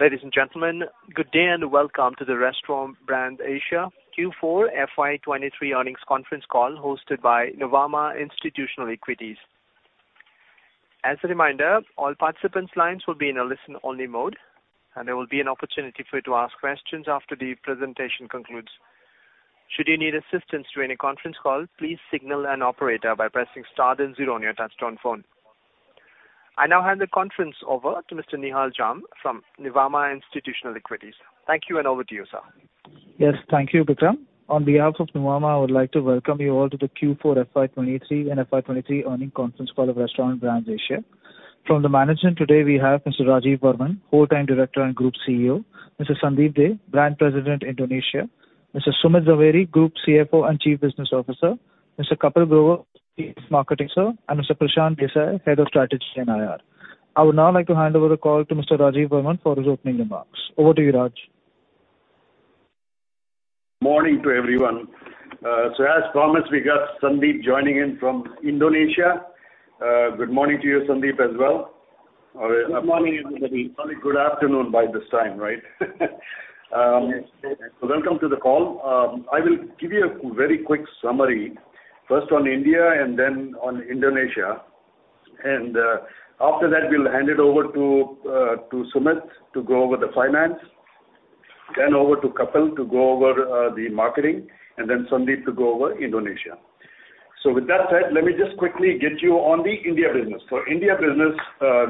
Ladies and gentlemen, good day and welcome to the Restaurant Brands Asia Q4 FY2023 earnings conference call hosted by Nuvama Institutional Equities. As a reminder, all participants' lines will be in a listen-only mode, and there will be an opportunity for you to ask questions after the presentation concludes. Should you need assistance during the conference call, please signal an operator by pressing star then 0 on your touchtone phone. I now hand the conference over to Mr. Nihal Jham from Nuvama Institutional Equities. Thank you. Over to you, sir. Yes. Thank you, Vikram. On behalf of Nuvama, I would like to welcome you all to the Q4 FY2023 and FY2023 earnings conference call of Restaurant Brands Asia. From the management today, we have Mr. Rajeev Varman, Full-Time Director and Group CEO; Mr. Sandeep Dey, Brand President, Indonesia; Mr. Sumit Zaveri, Group CFO and Chief Business Officer; Mr. Kapil Grover, Chief Marketing Officer; and Mr. Prashant Desai, Head of Strategy and IR. I would now like to hand over the call to Mr. Rajeev Varman for his opening remarks. Over to you, Raj. Morning to everyone. As promised, we got Sandeep joining in from Indonesia. good morning to you, Sandeep, as well. Good morning, everybody. Probably good afternoon by this time, right? Welcome to the call. I will give you a very quick summary, first on India and then on Indonesia. After that, we'll hand it over to Sumit to go over the finance, then over to Kapil to go over the marketing, and then Sandeep to go over Indonesia. With that said, let me just quickly get you on the India business. For India business,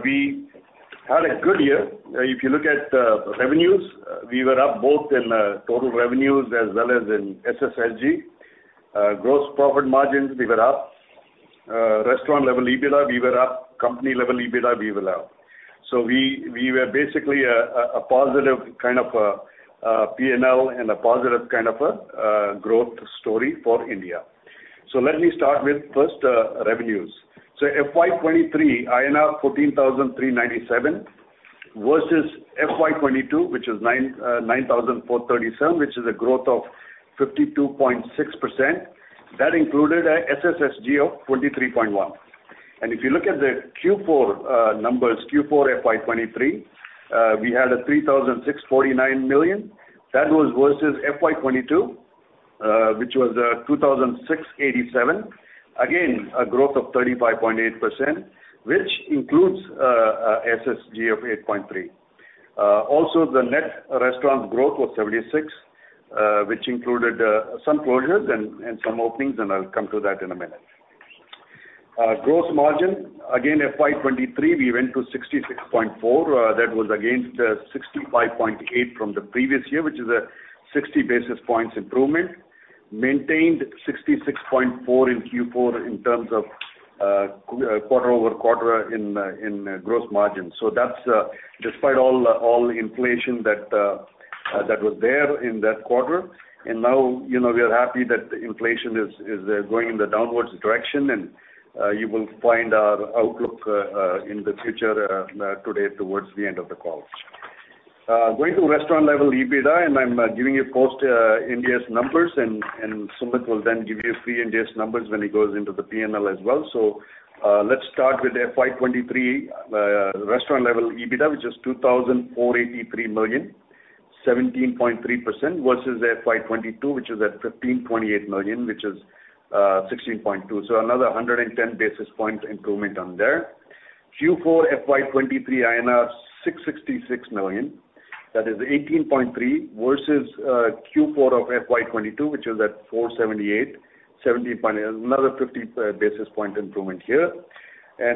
we had a good year. If you look at revenues, we were up both in total revenues as well as in SSSG. Gross profit margins, we were up. Restaurant-level EBITDA, we were up. Company-level EBITDA, we were up. We, we were basically a positive kind of P&L and a positive kind of a growth story for India. Let me start with first revenues. FY 2023, INR 14,397, versus FY 2022, which was 9,437, which is a growth of 52.6%. That included a SSSG of 23.1%. If you look at the Q4 numbers, Q4 FY 2023, we had 3,649 million. That was versus FY 2022, which was 2,687. Again, a growth of 35.8%, which includes SSG of 8.3%. Also the net restaurant growth was 76, which included some closures and some openings, and I'll come to that in a minute. Gross margin, again, FY 2023, we went to 66.4%. That was against 65.8 from the previous year, which is a 60 basis points improvement. Maintained 66.4 in Q4 in terms of quarter-over-quarter in gross margin. That's despite all the inflation that was there in that quarter. Now, you know, we are happy that inflation is going in the downwards direction and you will find our outlook in the future today towards the end of the call. Going to restaurant-level EBITDA, I'm giving you post Ind AS numbers and Sumit will then give you pre-Ind AS numbers when he goes into the P&L as well. Let's start with FY 2023 restaurant-level EBITDA, which is 2,483 million, 17.3%, versus FY 2022, which is at 15.8 million, which is 16.2%. Another 110 basis points improvement on there. Q4 FY 2023 666 million. That is 18.3% versus Q4 of FY 2022, which is at 478 million, 17.%. Another 50 basis point improvement here.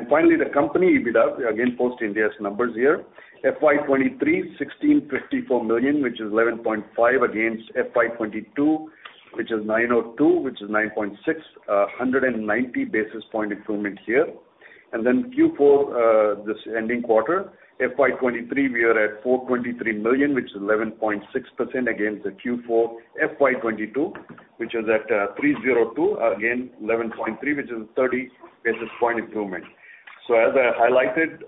Finally, the company EBITDA, again, post Ind AS numbers here. FY 2023 1,654 million, which is 11.5% against FY 2022, which is 902 million, which is 9.6%. 190 basis point improvement here. Q4, this ending quarter, FY 2023, we are at 423 million, which is 11.6% against the Q4 FY 2022, which is at 302 million. Again, 11.3%, which is a 30 basis point improvement. As I highlighted,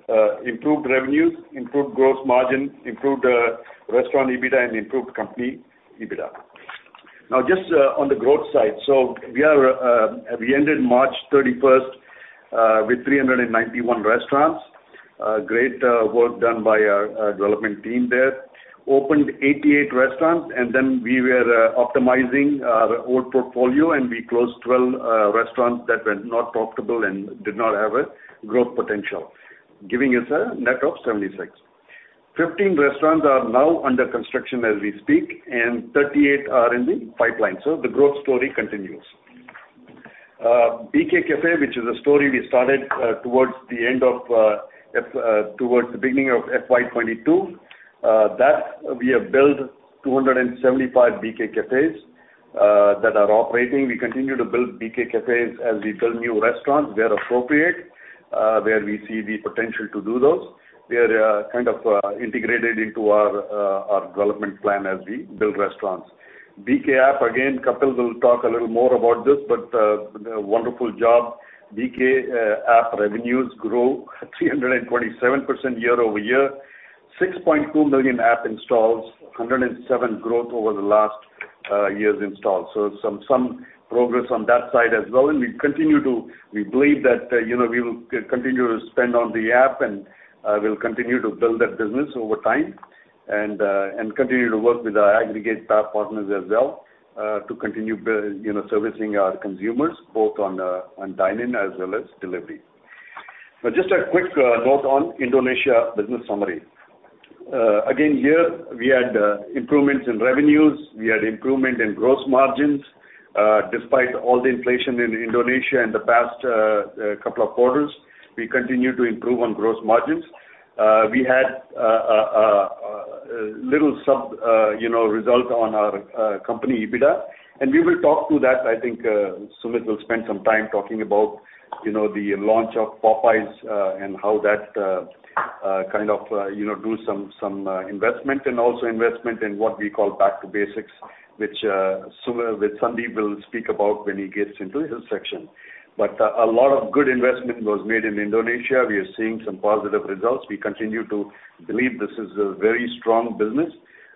improved revenues, improved gross margin, improved restaurant EBITDA and improved company EBITDA. Just on the growth side. We ended March 31st with 391 restaurants. Great work done by our development team there. Opened 88 restaurants, we were optimizing our old portfolio, and we closed 12 restaurants that were not profitable and did not have a growth potential, giving us a net of 76. 15 restaurants are now under construction as we speak, and 38 are in the pipeline. The growth story continues. BK Café, which is a story we started towards the beginning of FY 2022, that we have built 275 BK Cafes that are operating. We continue to build BK Cafes as we build new restaurants where appropriate, where we see the potential to do those. They are kind of integrated into our development plan as we build restaurants. BK App, again, Kapil will talk a little more about this, but wonderful job. BK App revenues grow 327% year-over-year. 6.2 million App installs, 107 growth over the last years installed. Some progress on that side as well, and we believe that, you know, we will continue to spend on the app and we'll continue to build that business over time. And continue to work with our aggregate staff partners as well to continue servicing our consumers both on dine-in as well as delivery. Just a quick note on Indonesia business summary. Again, here we had improvements in revenues. We had improvement in gross margins. Despite all the inflation in Indonesia in the past couple of quarters, we continue to improve on gross margins. We had a little sub, you know, result on our company EBITDA, and we will talk to that. I think Sumit will spend some time talking about, you know, the launch of Popeyes, and how that kind of, you know, do some investment and also investment in what we call Back to Basics, which Sandeep will speak about when he gets into his section. A lot of good investment was made in Indonesia. We are seeing some positive results. We continue to believe this is a very strong business,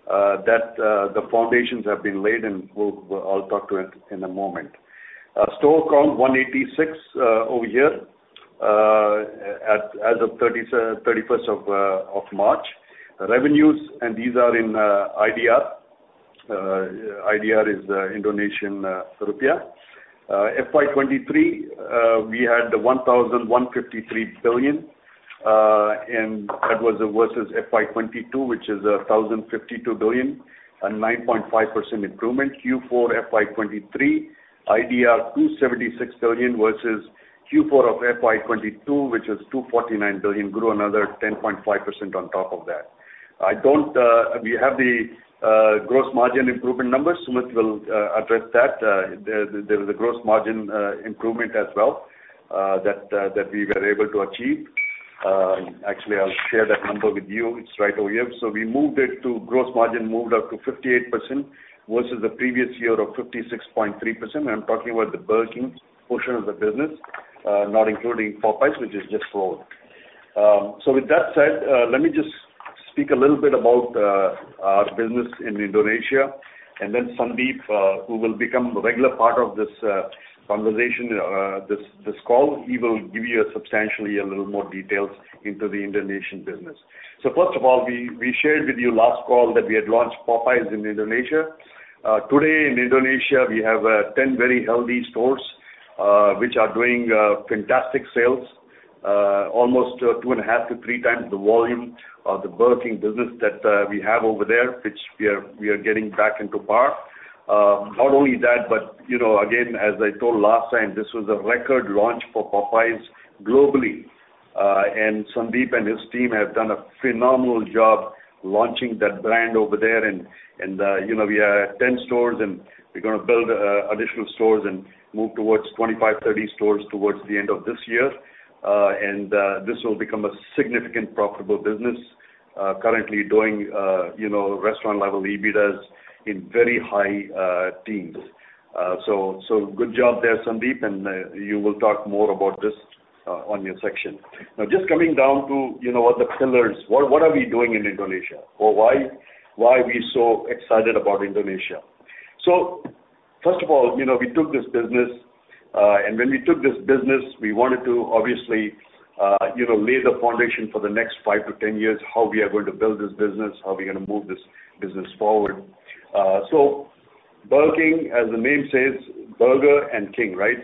that the foundations have been laid, and well, I'll talk to it in a moment. Store count 186 over here, as of 31st of March. Revenues, and these are in IDR. IDR is Indonesian Rupiah. FY 2023, we had 1,153 billion, that was versus FY 2022, which is 1,052 billion, a 9.5% improvement. Q4 FY 2023, 276 billion versus Q4 of FY 2022, which was 249 billion, grew another 10.5% on top of that. I don't, we have the gross margin improvement numbers. Sumit will address that. There was a gross margin improvement as well that we were able to achieve. Actually, I'll share that number with you. It's right over here. Gross margin moved up to 58% versus the previous year of 56.3%. I'm talking about the Burger King portion of the business, not including Popeyes, which is just rolled. With that said, let me just speak a little bit about our business in Indonesia and then Sandeep, who will become a regular part of this conversation, this call. He will give you a substantially a little more details into the Indonesian business. First of all, we shared with you last call that we had launched Popeyes in Indonesia. Today in Indonesia, we have 10 very healthy stores, which are doing fantastic sales, almost two and a half to three times the volume of the Burger King business that we have over there, which we are getting back into par. Not only that, but you know, again, as I told last time, this was a record launch for Popeyes globally. Sandeep and his team have done a phenomenal job launching that brand over there. And, you know, we are at 10 stores, and we're gonna build additional stores and move towards 25, 30 stores towards the end of this year. This will become a significant profitable business, currently doing, you know, restaurant level EBITDA in very high teens. So, good job there, Sandeep, and, you will talk more about this on your section. Just coming down to, you know, what the pillars, what are we doing in Indonesia or why we so excited about Indonesia? First of all, you know, we took this business, and when we took this business, we wanted to obviously, you know, lay the foundation for the next 5-10 years, how we are going to build this business, how we're gonna move this business forward. Burger King, as the name says, burger and king, right?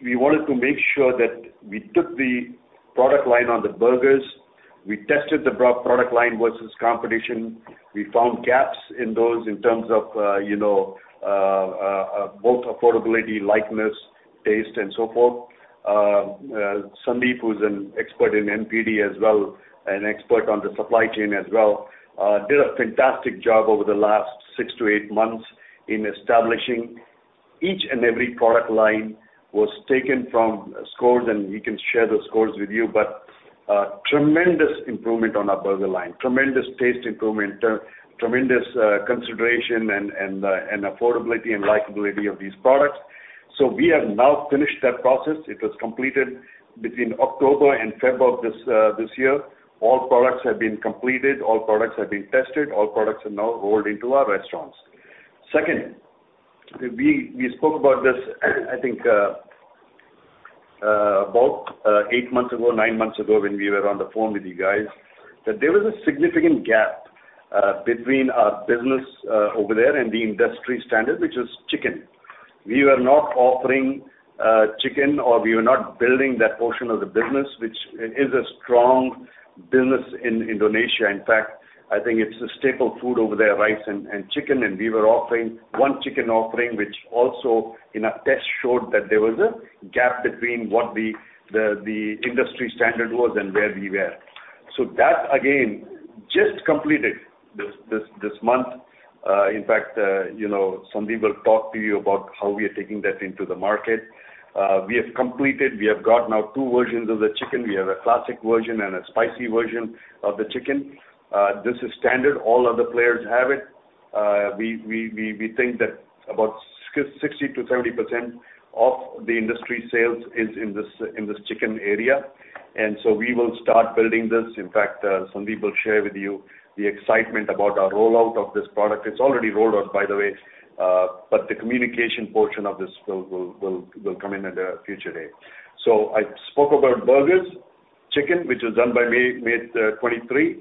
We wanted to make sure that we took the product line on the burgers. We tested the product line versus competition. We found gaps in those in terms of, you know, both affordability, likeness, taste, and so forth. Sandeep, who's an expert in NPD as well, an expert on the supply chain as well, did a fantastic job over the last six to eight months in establishing each and every product line was taken from scores, and he can share those scores with you, but a tremendous improvement on our burger line. Tremendous taste improvement, tremendous consideration and affordability and likability of these products. We have now finished that process. It was completed between October and February this year. All products have been completed. All products have been tested. All products are now rolled into our restaurants. Second, we spoke about this, I think, about eight months ago, nine months ago when we were on the phone with you guys, that there was a significant gap between our business over there and the industry standard, which was chicken. We were not offering chicken, or we were not building that portion of the business, which is a strong business in Indonesia. In fact, I think it's a staple food over there, rice and chicken, and we were offering one chicken offering, which also in a test showed that there was a gap between what the industry standard was and where we were. That, again, just completed this month. In fact, you know, Sandeep will talk to you about how we are taking that into the market. We have completed. We have got now two versions of the chicken. We have a classic version and a spicy version of the chicken. This is standard. All other players have it. We think that about 60%-70% of the industry sales is in this, in this chicken area. We will start building this. In fact, Sumit will share with you the excitement about our rollout of this product. It's already rolled out, by the way, but the communication portion of this build will come in at a future date. I spoke about burgers, chicken, which was done by mid-2023.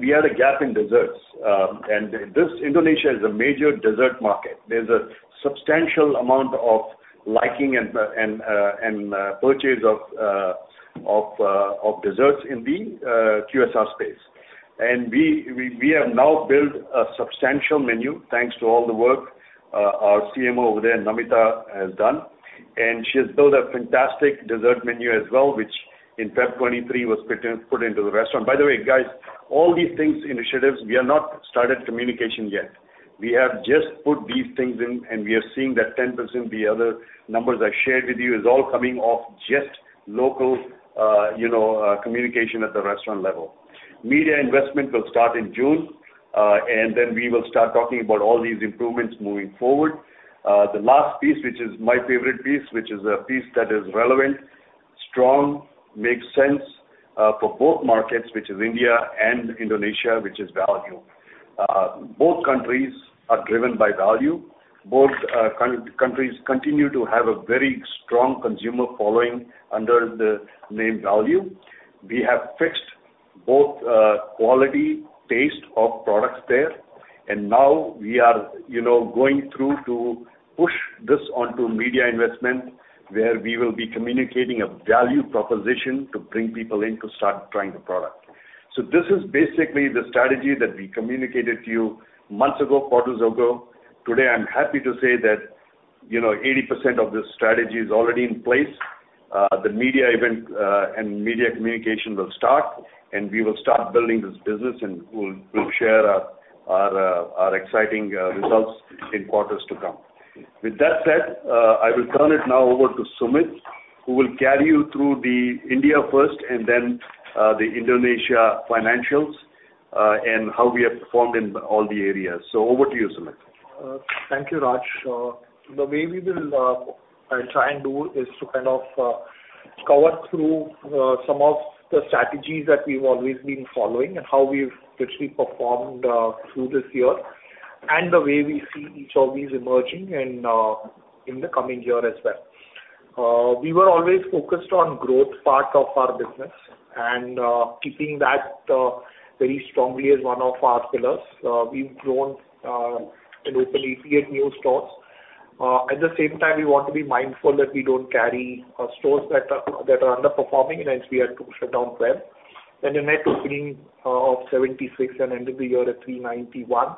We had a gap in desserts. This Indonesia is a major dessert market. There's a substantial amount of liking and purchase of desserts in the QSR space. We have now built a substantial menu thanks to all the work, our CMO over there, Namita, has done. She has built a fantastic dessert menu as well, which in Feb 2023 was put into the restaurant. By the way, guys, all these things, initiatives, we have not started communication yet. We have just put these things in, and we are seeing that 10%, the other numbers I shared with you, is all coming off just local, you know, communication at the restaurant level. Media investment will start in June, and then we will start talking about all these improvements moving forward. The last piece, which is my favorite piece, which is a piece that is relevant, strong, makes sense for both markets, which is India and Indonesia, which is value. Both countries are driven by value. Both countries continue to have a very strong consumer following under the name Value. We have fixed both quality, taste of products there. Now we are, you know, going through to push this onto media investment, where we will be communicating a value proposition to bring people in to start trying the product. This is basically the strategy that we communicated to you months ago, quarters ago. Today, I'm happy to say that, you know, 80% of this strategy is already in place. The media event and media communication will start, and we will start building this business, and we'll share our exciting results in quarters to come. With that said, I will turn it now over to Sumit, who will carry you through the India first and then the Indonesia financials and how we have performed in all the areas. Over to you, Sumit. Thank you, Raj. The way we will, I'll try and do is to kind of cover through some of the strategies that we've always been following and how we've literally performed through this year and the way we see each of these emerging and in the coming year as well. We were always focused on growth part of our business and keeping that very strongly as one of our pillars. We've grown and opened 88 new stores. At the same time, we want to be mindful that we don't carry stores that are underperforming, and hence we had to shut down 12. A net opening of 76 and ended the year at 391.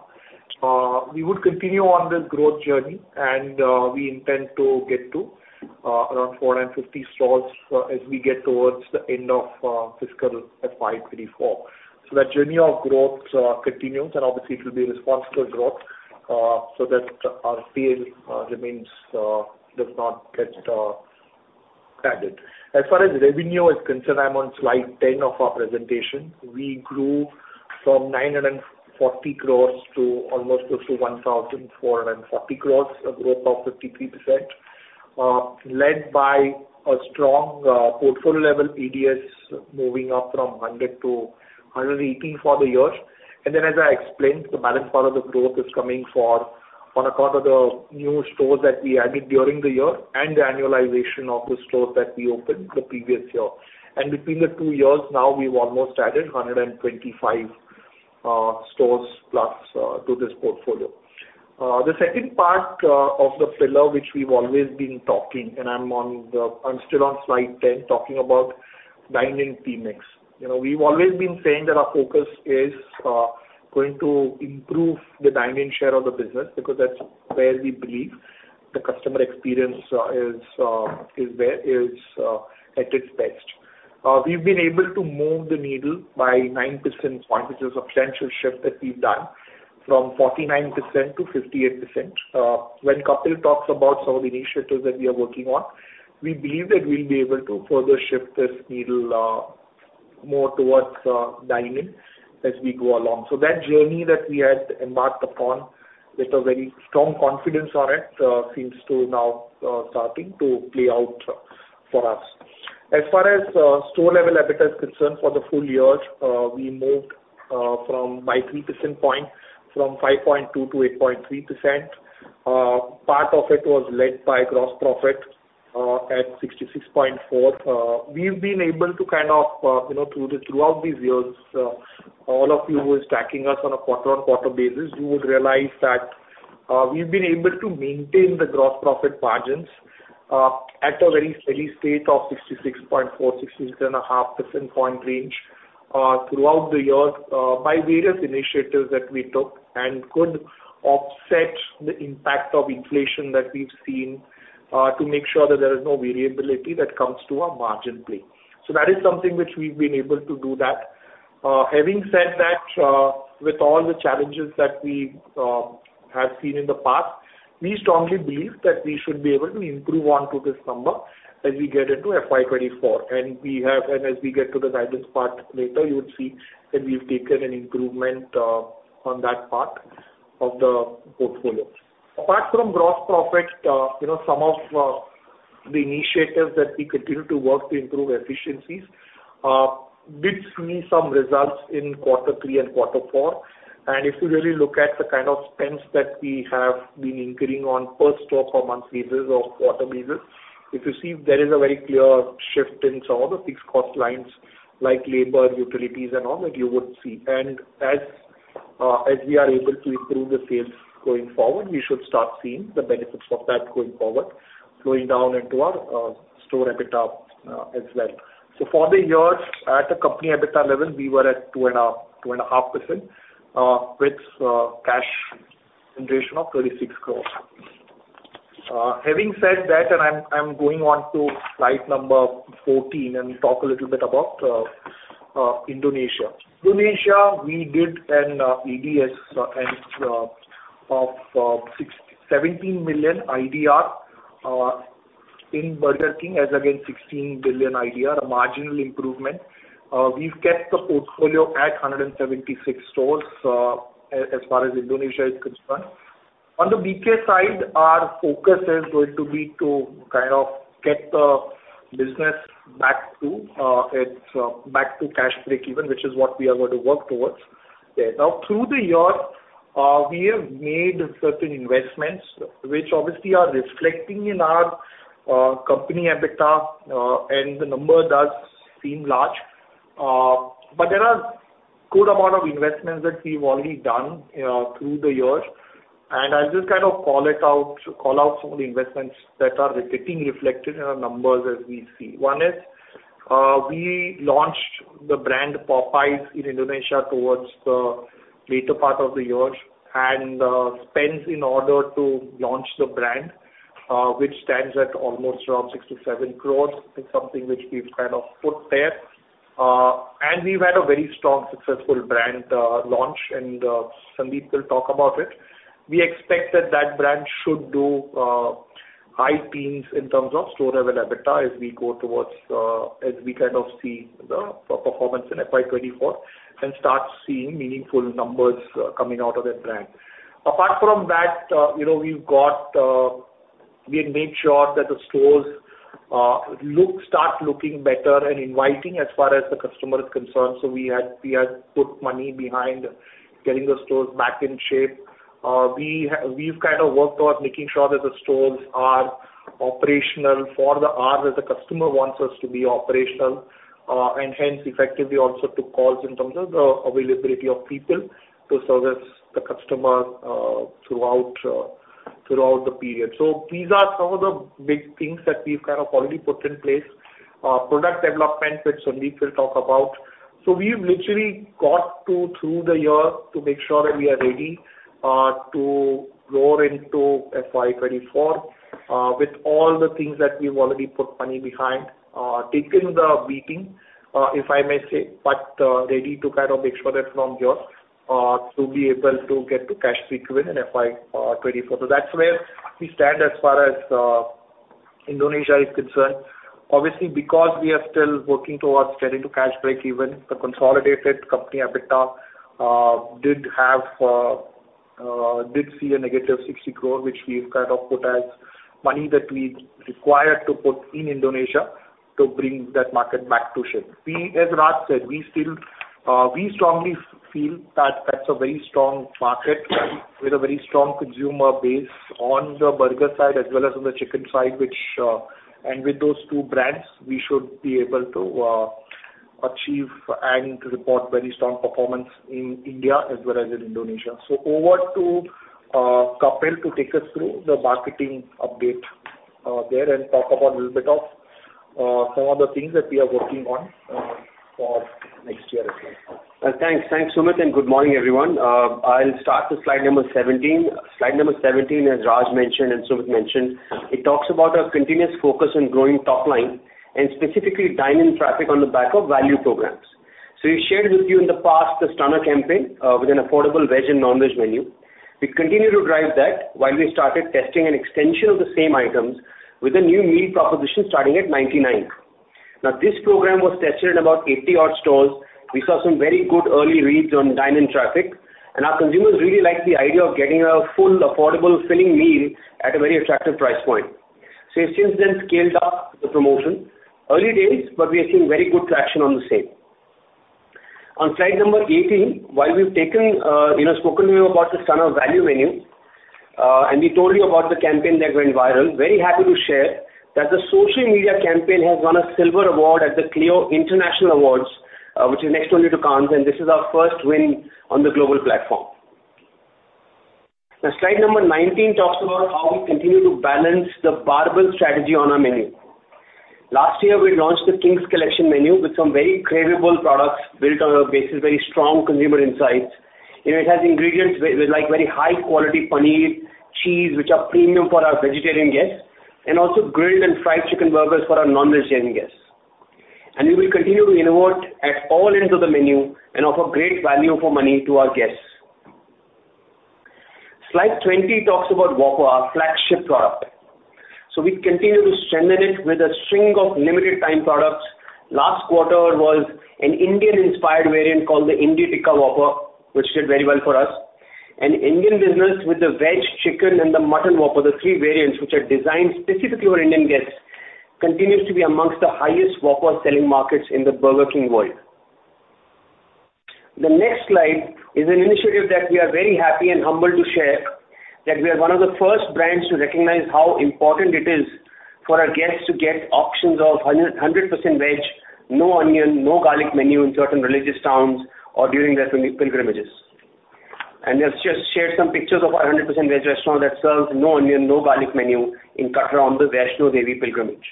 we would continue on this growth journey, we intend to get to around 450 stores as we get towards the end of fiscal FY 2024. That journey of growth continues, and obviously it will be responsible growth so that our scale remains does not get added. As far as revenue is concerned, I'm on slide 10 of our presentation. We grew from 940 crores to almost close to 1,440 crores, a growth of 53% led by a strong portfolio level ADS moving up from 100 to 118 for the year. As I explained, the balance part of the growth is coming for on account of the new stores that we added during the year and the annualization of the stores that we opened the previous year. Between the two years now, we've almost added 125 stores plus to this portfolio. The second part of the pillar which we've always been talking, I'm still on slide 10 talking about dine-in mix. You know, we've always been saying that our focus is going to improve the dine-in share of the business because that's where we believe the customer experience is there, is at its best. We've been able to move the needle by 9% point, which is a substantial shift that we've done from 49% to 58%. When Kapil talks about some of the initiatives that we are working on, we believe that we'll be able to further shift this needle more towards dine-in as we go along. That journey that we had embarked upon with a very strong confidence on it seems to now starting to play out for us. As far as store level EBITDA is concerned for the full year, we moved from by 3% point from 5.2 to 8.3%. Part of it was led by gross profit at 66.4%. We've been able to kind of, you know, throughout these years, all of you who is tracking us on a quarter-on-quarter basis, you would realize that we've been able to maintain the gross profit margins at a very steady state of 66.4%-66.5% point range throughout the year, by various initiatives that we took and could offset the impact of inflation that we've seen, to make sure that there is no variability that comes to our margin play. That is something which we've been able to do that. Having said that, with all the challenges that we've seen in the past, we strongly believe that we should be able to improve on to this number as we get into FY 2024. As we get to the guidance part later, you would see that we've taken an improvement on that part. Of the portfolio. Apart from gross profits, you know, some of the initiatives that we continue to work to improve efficiencies did see some results in Q3 and Q4. If you really look at the kind of spends that we have been incurring on per store for month basis or quarter basis, if you see there is a very clear shift in some of the fixed cost lines like labor, utilities, and all that you would see. As we are able to improve the sales going forward, we should start seeing the benefits of that going forward, flowing down into our store EBITDA as well. For the year, at a company EBITDA level, we were at 2.5%, with cash generation of 36 crores. Having said that, and I'm going on to slide number 14, and talk a little bit about Indonesia. Indonesia, we did an ADS, and of 17 million IDR, in Burger King as against 16 billion IDR, a marginal improvement. We've kept the portfolio at 176 stores, as far as Indonesia is concerned. On the BK side, our focus is going to be to kind of get the business back to its back to cash break-even, which is what we are going to work towards. Yeah. Through the year, we have made certain investments which obviously are reflecting in our company EBITDA, and the number does seem large. There are good amount of investments that we've already done, you know, through the year. I'll just kind of call out some of the investments that are getting reflected in our numbers as we see. One is, we launched the brand Popeyes in Indonesia towards the later part of the year and spends in order to launch the brand, which stands at almost around 6-7 crores. It's something which we've kind of put there. We've had a very strong successful brand launch and Sandeep will talk about it. We expect that brand should do high teens in terms of store level EBITDA as we go towards as we kind of see the performance in FY 2024 and start seeing meaningful numbers coming out of that brand. Apart from that, you know, we've got we have made sure that the stores start looking better and inviting as far as the customer is concerned. We had put money behind getting the stores back in shape. We've kind of worked on making sure that the stores are operational for the hour that the customer wants us to be operational. Hence effectively also took calls in terms of the availability of people to service the customer throughout the period. These are some of the big things that we've kind of already put in place. Product development, which Sandeep will talk about. We've literally got to through the year to make sure that we are ready to roll into FY 2024, with all the things that we've already put money behind, taken the beating, if I may say, but ready to kind of make sure that from here to be able to get to cash break-even in FY 2024. That's where we stand as far as Indonesia is concerned. Obviously, because we are still working towards getting to cash break-even, the consolidated company EBITDA did see a negative 60 crore, which we've kind of put as money that we require to put in Indonesia to bring that market back to shape. We, as Raj said, we still feel that that's a very strong market with a very strong consumer base on the burger side as well as on the chicken side, which and with those two brands, we should be able to achieve and report very strong performance in India as well as in Indonesia. Over to Kapil to take us through the marketing update there and talk about a little bit of some of the things that we are working on for next year as well. Thanks. Thanks, Sumit, and good morning, everyone. I'll start with slide number 17. Slide number 17, as Raj mentioned and Sumit mentioned, it talks about our continuous focus on growing top line and specifically dine-in traffic on the back of value programs. We've shared with you in the past the Stunner campaign with an affordable veg and non-veg menu. We continue to drive that while we started testing an extension of the same items with a new meal proposition starting at 99. This program was tested at about 80-odd stores. We saw some very good early reads on dine-in traffic, and our consumers really liked the idea of getting a full, affordable filling meal at a very attractive price point. We've since then scaled up the promotion. Early days, we are seeing very good traction on the same. On slide number 18, while we've taken, you know, spoken to you about the Stunner value menu, and we told you about the campaign that went viral, very happy to share that the social media campaign has won a silver award at the Clio Awards, which is next only to Cannes, and this is our first win on the global platform. Slide number 19 talks about how we continue to balance the barbell strategy on our menu. Last year, we launched the King's Collection menu with some very craveable products built on a basis of very strong consumer insights. You know, it has ingredients with like very high quality paneer, cheese, which are premium for our vegetarian guests, and also grilled and fried chicken burgers for our non-vegetarian guests. We will continue to innovate at all ends of the menu and offer great value for money to our guests. Slide 20 talks about Whopper, our flagship product. We continue to strengthen it with a string of limited time products. Last quarter was an Indian-inspired variant called the Indie Tikka Whopper, which did very well for us. Indian business with the veg chicken and the mutton Whopper, the three variants which are designed specifically for Indian guests, continues to be amongst the highest Whopper selling markets in the Burger King world. The next slide is an initiative that we are very happy and humbled to share, that we are one of the first brands to recognize how important it is for our guests to get options of 100% veg, no onion, no garlic menu in certain religious towns or during their pilgrimages. Let's just share some pictures of our 100% veg restaurant that serves no onion, no garlic menu in Katra on the Vaishno Devi pilgrimage.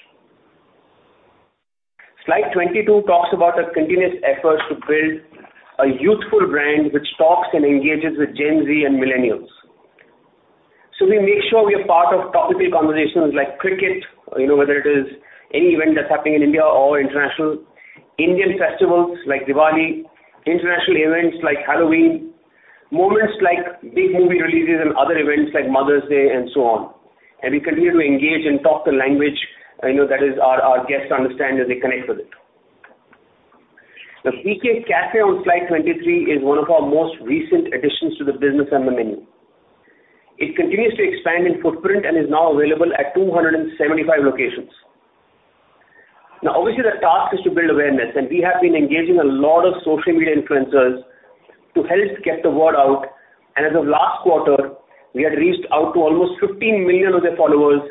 Slide 22 talks about our continuous efforts to build a youthful brand which talks and engages with Gen Z and millennials. We make sure we are part of topical conversations like cricket, you know, whether it is any event that's happening in India or international, Indian festivals like Diwali, international events like Halloween, moments like big movie releases and other events like Mother's Day and so on. We continue to engage and talk the language, you know, that is our guests understand and they connect with it. The BK Cafe on slide 23 is one of our most recent additions to the business and the menu. It continues to expand in footprint and is now available at 275 locations. Obviously the task is to build awareness, and we have been engaging a lot of social media influencers to help get the word out. As of last quarter, we had reached out to almost 15 million of their followers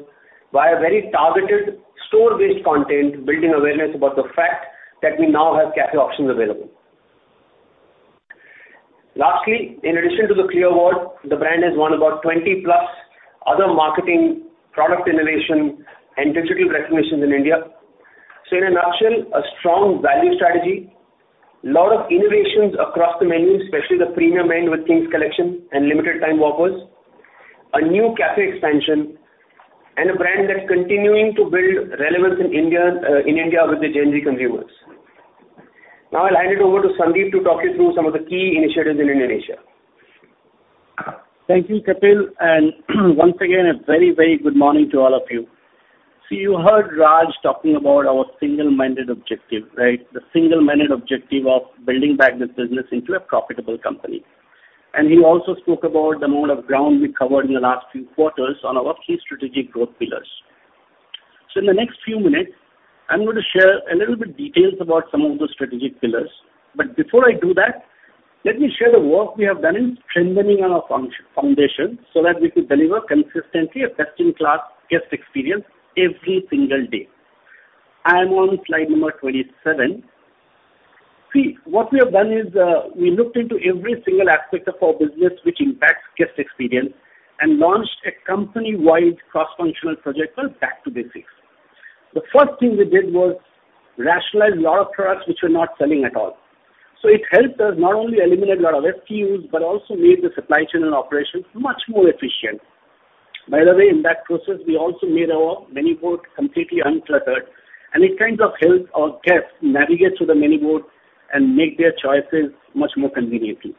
via very targeted store-based content, building awareness about the fact that we now have cafe options available. Lastly, in addition to the Clio Award, the brand has won about 20+ other marketing, product innovation and digital recognitions in India. In a nutshell, a strong value strategy, lot of innovations across the menu, especially the premium end with King's Collection and limited time Whoppers, a new cafe expansion and a brand that's continuing to build relevance in India, in India with the Gen Z consumers. I'll hand it over to Sandeep to talk you through some of the key initiatives in Indonesia. Thank you, Kapil. Once again, a very, very good morning to all of you. You heard Raj talking about our single-minded objective, right? The single-minded objective of building back this business into a profitable company. He also spoke about the amount of ground we covered in the last few quarters on our key strategic growth pillars. In the next few minutes, I'm gonna share a little bit details about some of those strategic pillars. Before I do that, let me share the work we have done in strengthening our foundation so that we could deliver consistently a best-in-class guest experience every single day. I am on slide number 27. See, what we have done is, we looked into every single aspect of our business which impacts guest experience and launched a company-wide cross-functional project called Back to Basics. The first thing we did was rationalize a lot of products which were not selling at all. It helped us not only eliminate a lot of SKUs, but also made the supply chain and operations much more efficient. By the way, in that process, we also made our menu board completely uncluttered, and it kind of helped our guests navigate through the menu board and make their choices much more conveniently.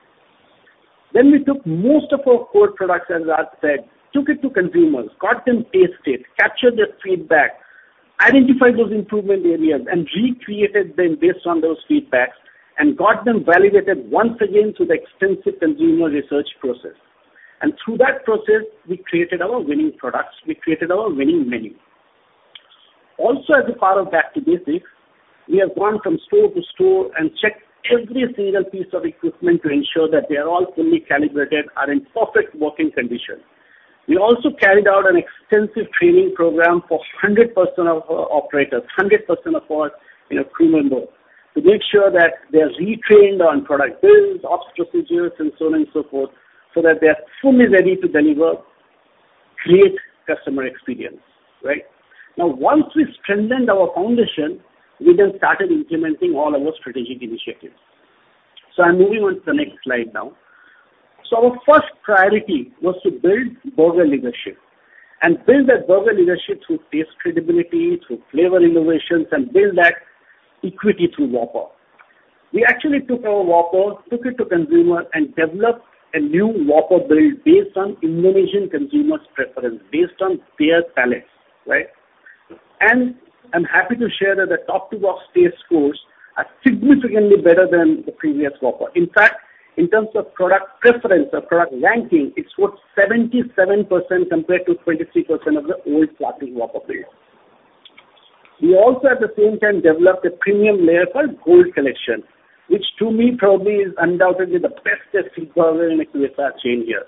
We took most of our core products, as Raj said, took it to consumers, got them taste it, captured their feedback, identified those improvement areas, and recreated them based on those feedbacks, and got them validated once again through the extensive consumer research process. Through that process, we created our winning products. We created our winning menu. As a part of Back to Basics, we have gone from store to store and checked every single piece of equipment to ensure that they are all fully calibrated and in perfect working condition. We also carried out an extensive training program for 100% of our operators, 100% of our, you know, crew member, to make sure that they are retrained on product builds, ops procedures and so on and so forth, so that they are fully ready to deliver great customer experience, right? Once we strengthened our foundation, we then started implementing all our strategic initiatives. I'm moving on to the next slide now. Our first priority was to build burger leadership and build that burger leadership through taste credibility, through flavor innovations, and build that equity through Whopper. We actually took our Whopper, took it to consumer, developed a new Whopper build based on Indonesian consumers' preference, based on their palates, right? I'm happy to share that the top-two-box taste scores are significantly better than the previous Whopper. In fact, in terms of product preference or product ranking, it scored 77% compared to 23% of the old classic Whopper build. We also at the same time developed a premium layer called Gold Collection, which to me probably is undoubtedly the best tasting burger in the QSR chain here.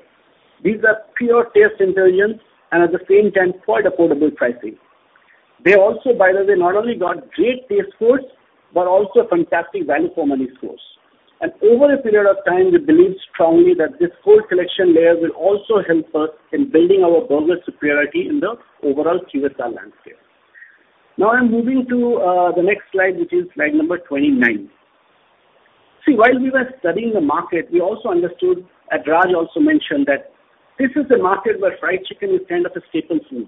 These are pure taste indulgence and at the same time quite affordable pricing. They also, by the way, not only got great taste scores, but also a fantastic value for money scores. Over a period of time, we believe strongly that this Gold Collection layer will also help us in building our burger superiority in the overall QSR landscape. Now I'm moving to the next slide, which is slide number 29. While we were studying the market, we also understood, and Raj also mentioned that this is a market where fried chicken is kind of a staple food.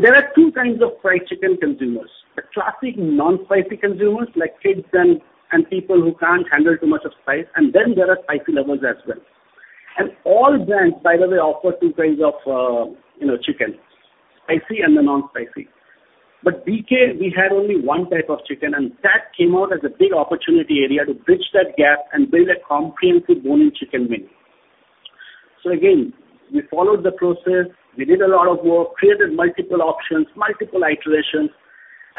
There are two kinds of fried chicken consumers, the classic non-spicy consumers like kids and people who can't handle too much of spice, and then there are spicy lovers as well. All brands, by the way, offer two kinds of, you know, chicken, spicy and the non-spicy. BK, we had only one type of chicken, and that came out as a big opportunity area to bridge that gap and build a comprehensive bone-in chicken menu. Again, we followed the process. We did a lot of work, created multiple options, multiple iterations,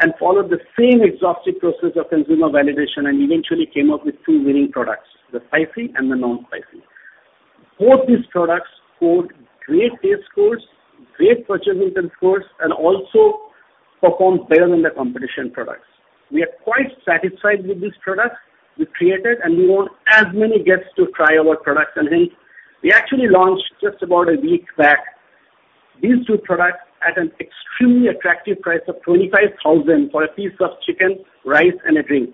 and followed the same exhaustive process of consumer validation, and eventually came up with two winning products, the spicy and the non-spicy. Both these products scored great taste scores, great purchase intent scores, and also performed better than the competition products. We are quite satisfied with this product we created, and we want as many guests to try our products at hand. We actually launched just about a week back these two products at an extremely attractive price of 25,000 for a piece of chicken, rice, and a drink.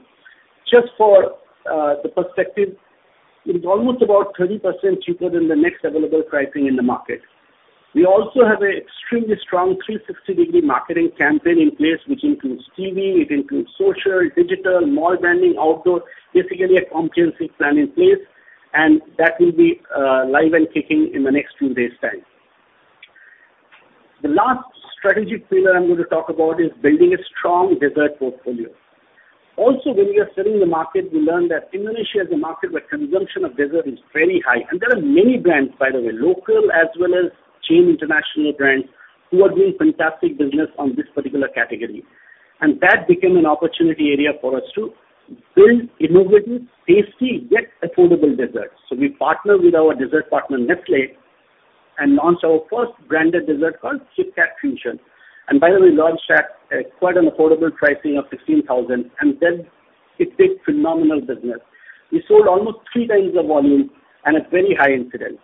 Just for the perspective, it is almost about 30% cheaper than the next available pricing in the market. We also have an extremely strong 360-degree marketing campaign in place, which includes TV, it includes social, digital, mall branding, outdoor, basically a comprehensive plan in place, and that will be live and kicking in the next few days' time. The last strategic pillar I'm going to talk about is building a strong dessert portfolio. When we are studying the market, we learn that Indonesia is a market where consumption of dessert is very high. There are many brands, by the way, local as well as chain international brands, who are doing fantastic business on this particular category. That became an opportunity area for us to build innovative, tasty, yet affordable desserts. We partnered with our dessert partner, Nestlé, and launched our first branded dessert called KitKat Fusion. By the way, launched at quite an affordable pricing of 16,000 IDR, and then it did phenomenal business. We sold almost three times the volume and at very high incidence.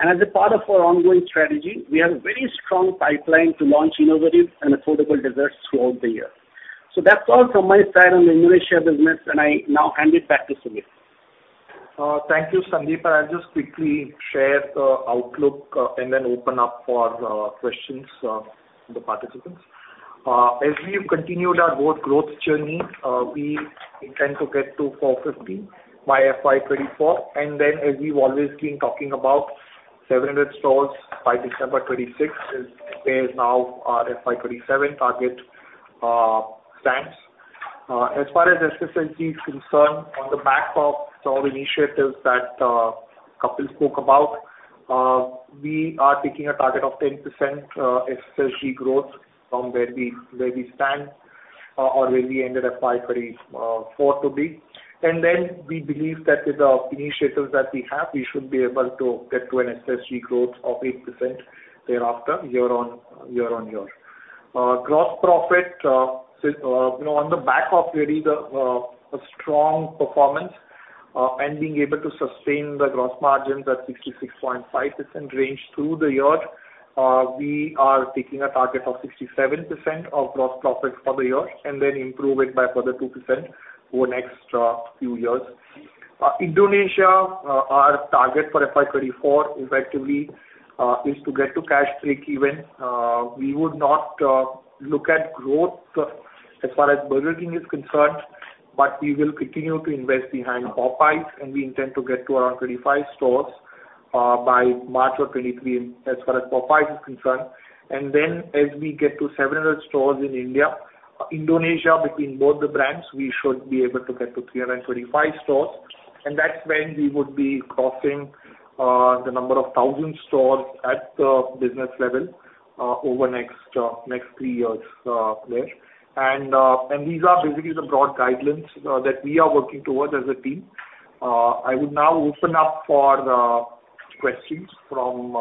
As a part of our ongoing strategy, we have a very strong pipeline to launch innovative and affordable desserts throughout the year. That's all from my side on the Indonesia business, and I now hand it back to Sumit. Thank you, Sandeep. I'll just quickly share the outlook, and then open up for questions from the participants. As we have continued our growth journey, we intend to get to 450 by FY 2024. As we've always been talking about, 700 stores by December 2026 is now our FY 2027 target stands. As far as SSG is concerned, on the back of all initiatives that Kapil spoke about, we are taking a target of 10% SSG growth from where we stand or where we ended FY 2024 to be. We believe that with the initiatives that we have, we should be able to get to an SSG growth of 8% thereafter, year-on-year. Gross profit, you know, on the back of really the a strong performance and being able to sustain the gross margins at 66.5% range through the year, we are taking a target of 67% of gross profits for the year and then improve it by further 2% over next few years. Indonesia, our target for FY 2024 effectively is to get to cash break even. We would not look at growth as far as Burger King is concerned, but we will continue to invest behind Popeyes, and we intend to get to around 35 stores by March of 2023 as far as Popeyes is concerned. Then as we get to 700 stores in India, Indonesia, between both the brands, we should be able to get to 335 stores. That's when we would be crossing the number of 1,000 stores at the business level over next three years there. These are basically the broad guidelines that we are working towards as a team. I would now open up for the questions from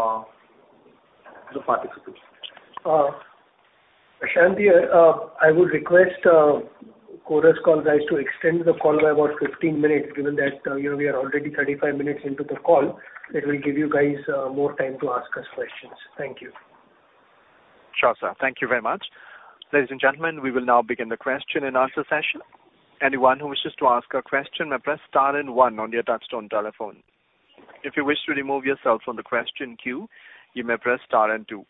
the participants. Shanti, I would request Chorus Call guys to extend the call by about 15 minutes, given that, you know, we are already 35 minutes into the call. It will give you guys more time to ask us questions. Thank you. Sure, sir. Thank you very much. Ladies and gentlemen, we will now begin the question and answer session. Anyone who wishes to ask a question may press star and one on your touchtone telephone. If you wish to remove yourself from the question queue, you may press star and two.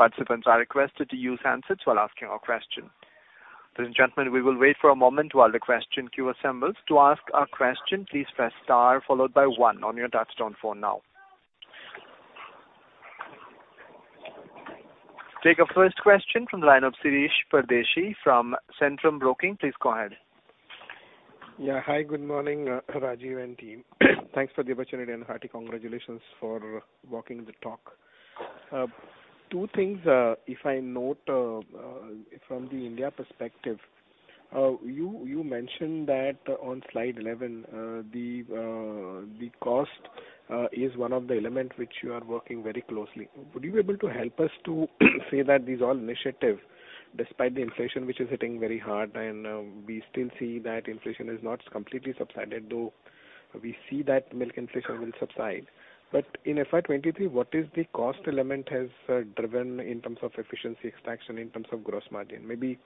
Participants are requested to use handsets while asking a question. Ladies and gentlemen, we will wait for a moment while the question queue assembles. To ask a question, please press star followed by one on your touchtone phone now. Take our first question from the line of Shirish Pardeshi from Centrum Broking. Please go ahead. Yeah. Hi, good morning, Rajeev and team. Thanks for the opportunity and hearty congratulations for walking the talk. Two things, if I note, from the India perspective. You mentioned that on slide 11, the cost is one of the element which you are working very closely. Would you be able to help us to say that these all initiative, despite the inflation, which is hitting very hard and, we still see that inflation is not completely subsided, though we see that milk inflation will subside. In FY 2023, what is the cost element has driven in terms of efficiency extraction, in terms of gross margin? Maybe,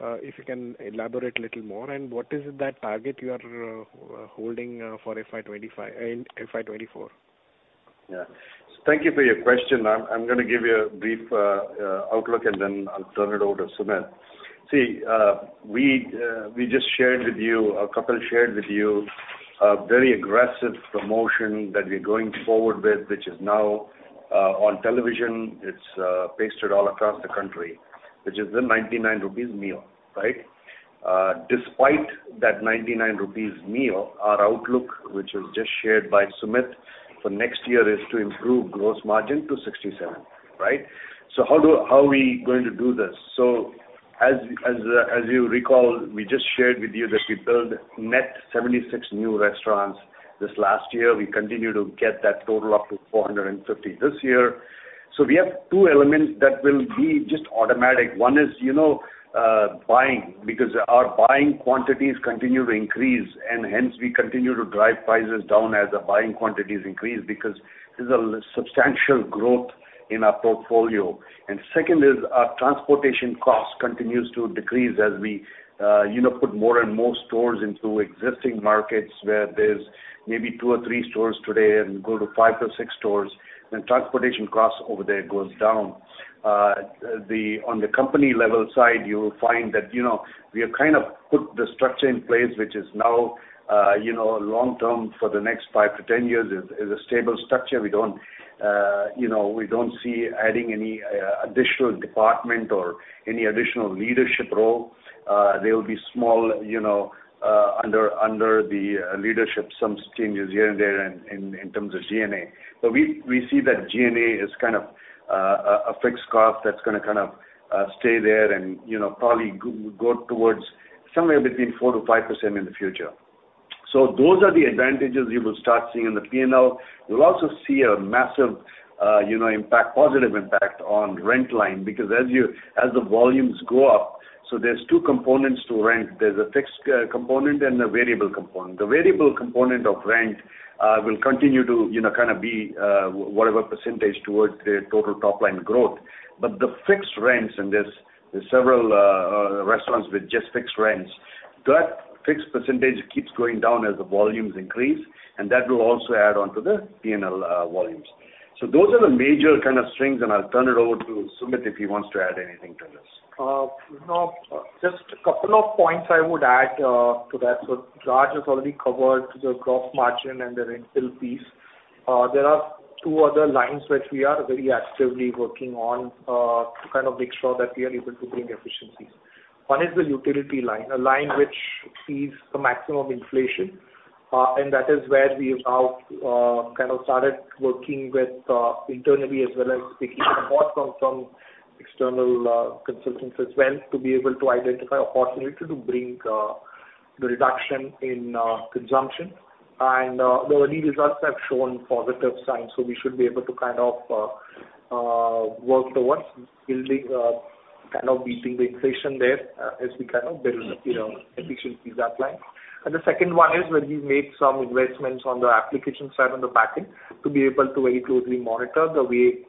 if you can elaborate a little more. What is that target you are holding for FY 2025 in FY 2024? Yeah. Thank you for your question. I'm gonna give you a brief outlook, and then I'll turn it over to Sumit. See, we just shared with you, or Kapil shared with you A very aggressive promotion that we're going forward with, which is now on television. It's pasted all across the country, which is the 99 rupees meal, right? Despite that 99 rupees meal, our outlook, which was just shared by Sumit for next year, is to improve gross margin to 67%, right? How are we going to do this? As you recall, we just shared with you that we built net 76 new restaurants this last year. We continue to get that total up to 450 this year. We have two elements that will be just automatic. One is, you know, buying because our buying quantities continue to increase and hence we continue to drive prices down as the buying quantities increase because this is a substantial growth in our portfolio. Second is our transportation cost continues to decrease as we, you know, put more and more stores into existing markets where there's maybe two or three stores today and go to five or six stores, then transportation costs over there goes down. On the company level side, you will find that, you know, we have kind of put the structure in place, which is now, you know, long term for the next five to 10 years is a stable structure. We don't, you know, we don't see adding any additional department or any additional leadership role. There will be small, you know, under the leadership, some changes here and there in terms of G&A. We see that G&A is kind of a fixed cost that's gonna kind of stay there and, you know, probably go towards somewhere between 4%-5% in the future. Those are the advantages you will start seeing in the P&L. You'll also see a massive, you know, impact, positive impact on rent line because as the volumes go up. There's two components to rent. There's a fixed component and a variable component. The variable component of rent will continue to, you know, kind of be whatever percentage towards the total top line growth. The fixed rents, and there's several restaurants with just fixed rents, that fixed percentage keeps going down as the volumes increase, and that will also add on to the P&L volumes. Those are the major kind of strings, and I'll turn it over to Sumit if he wants to add anything to this. No. Just a couple of points I would add to that. Raj has already covered the gross margin and the rent build piece. There are two other lines which we are very actively working on to kind of make sure that we are able to bring efficiencies. One is the utility line, a line which sees the maximum inflation, and that is where we have now kind of started working with internally as well as taking support from some external consultants as well to be able to identify opportunity to bring the reduction in consumption. The early results have shown positive signs, so we should be able to kind of work towards building kind of beating the inflation there as we kind of build, you know, efficiencies that line. The second one is where we've made some investments on the application side on the backend to be able to very closely monitor the way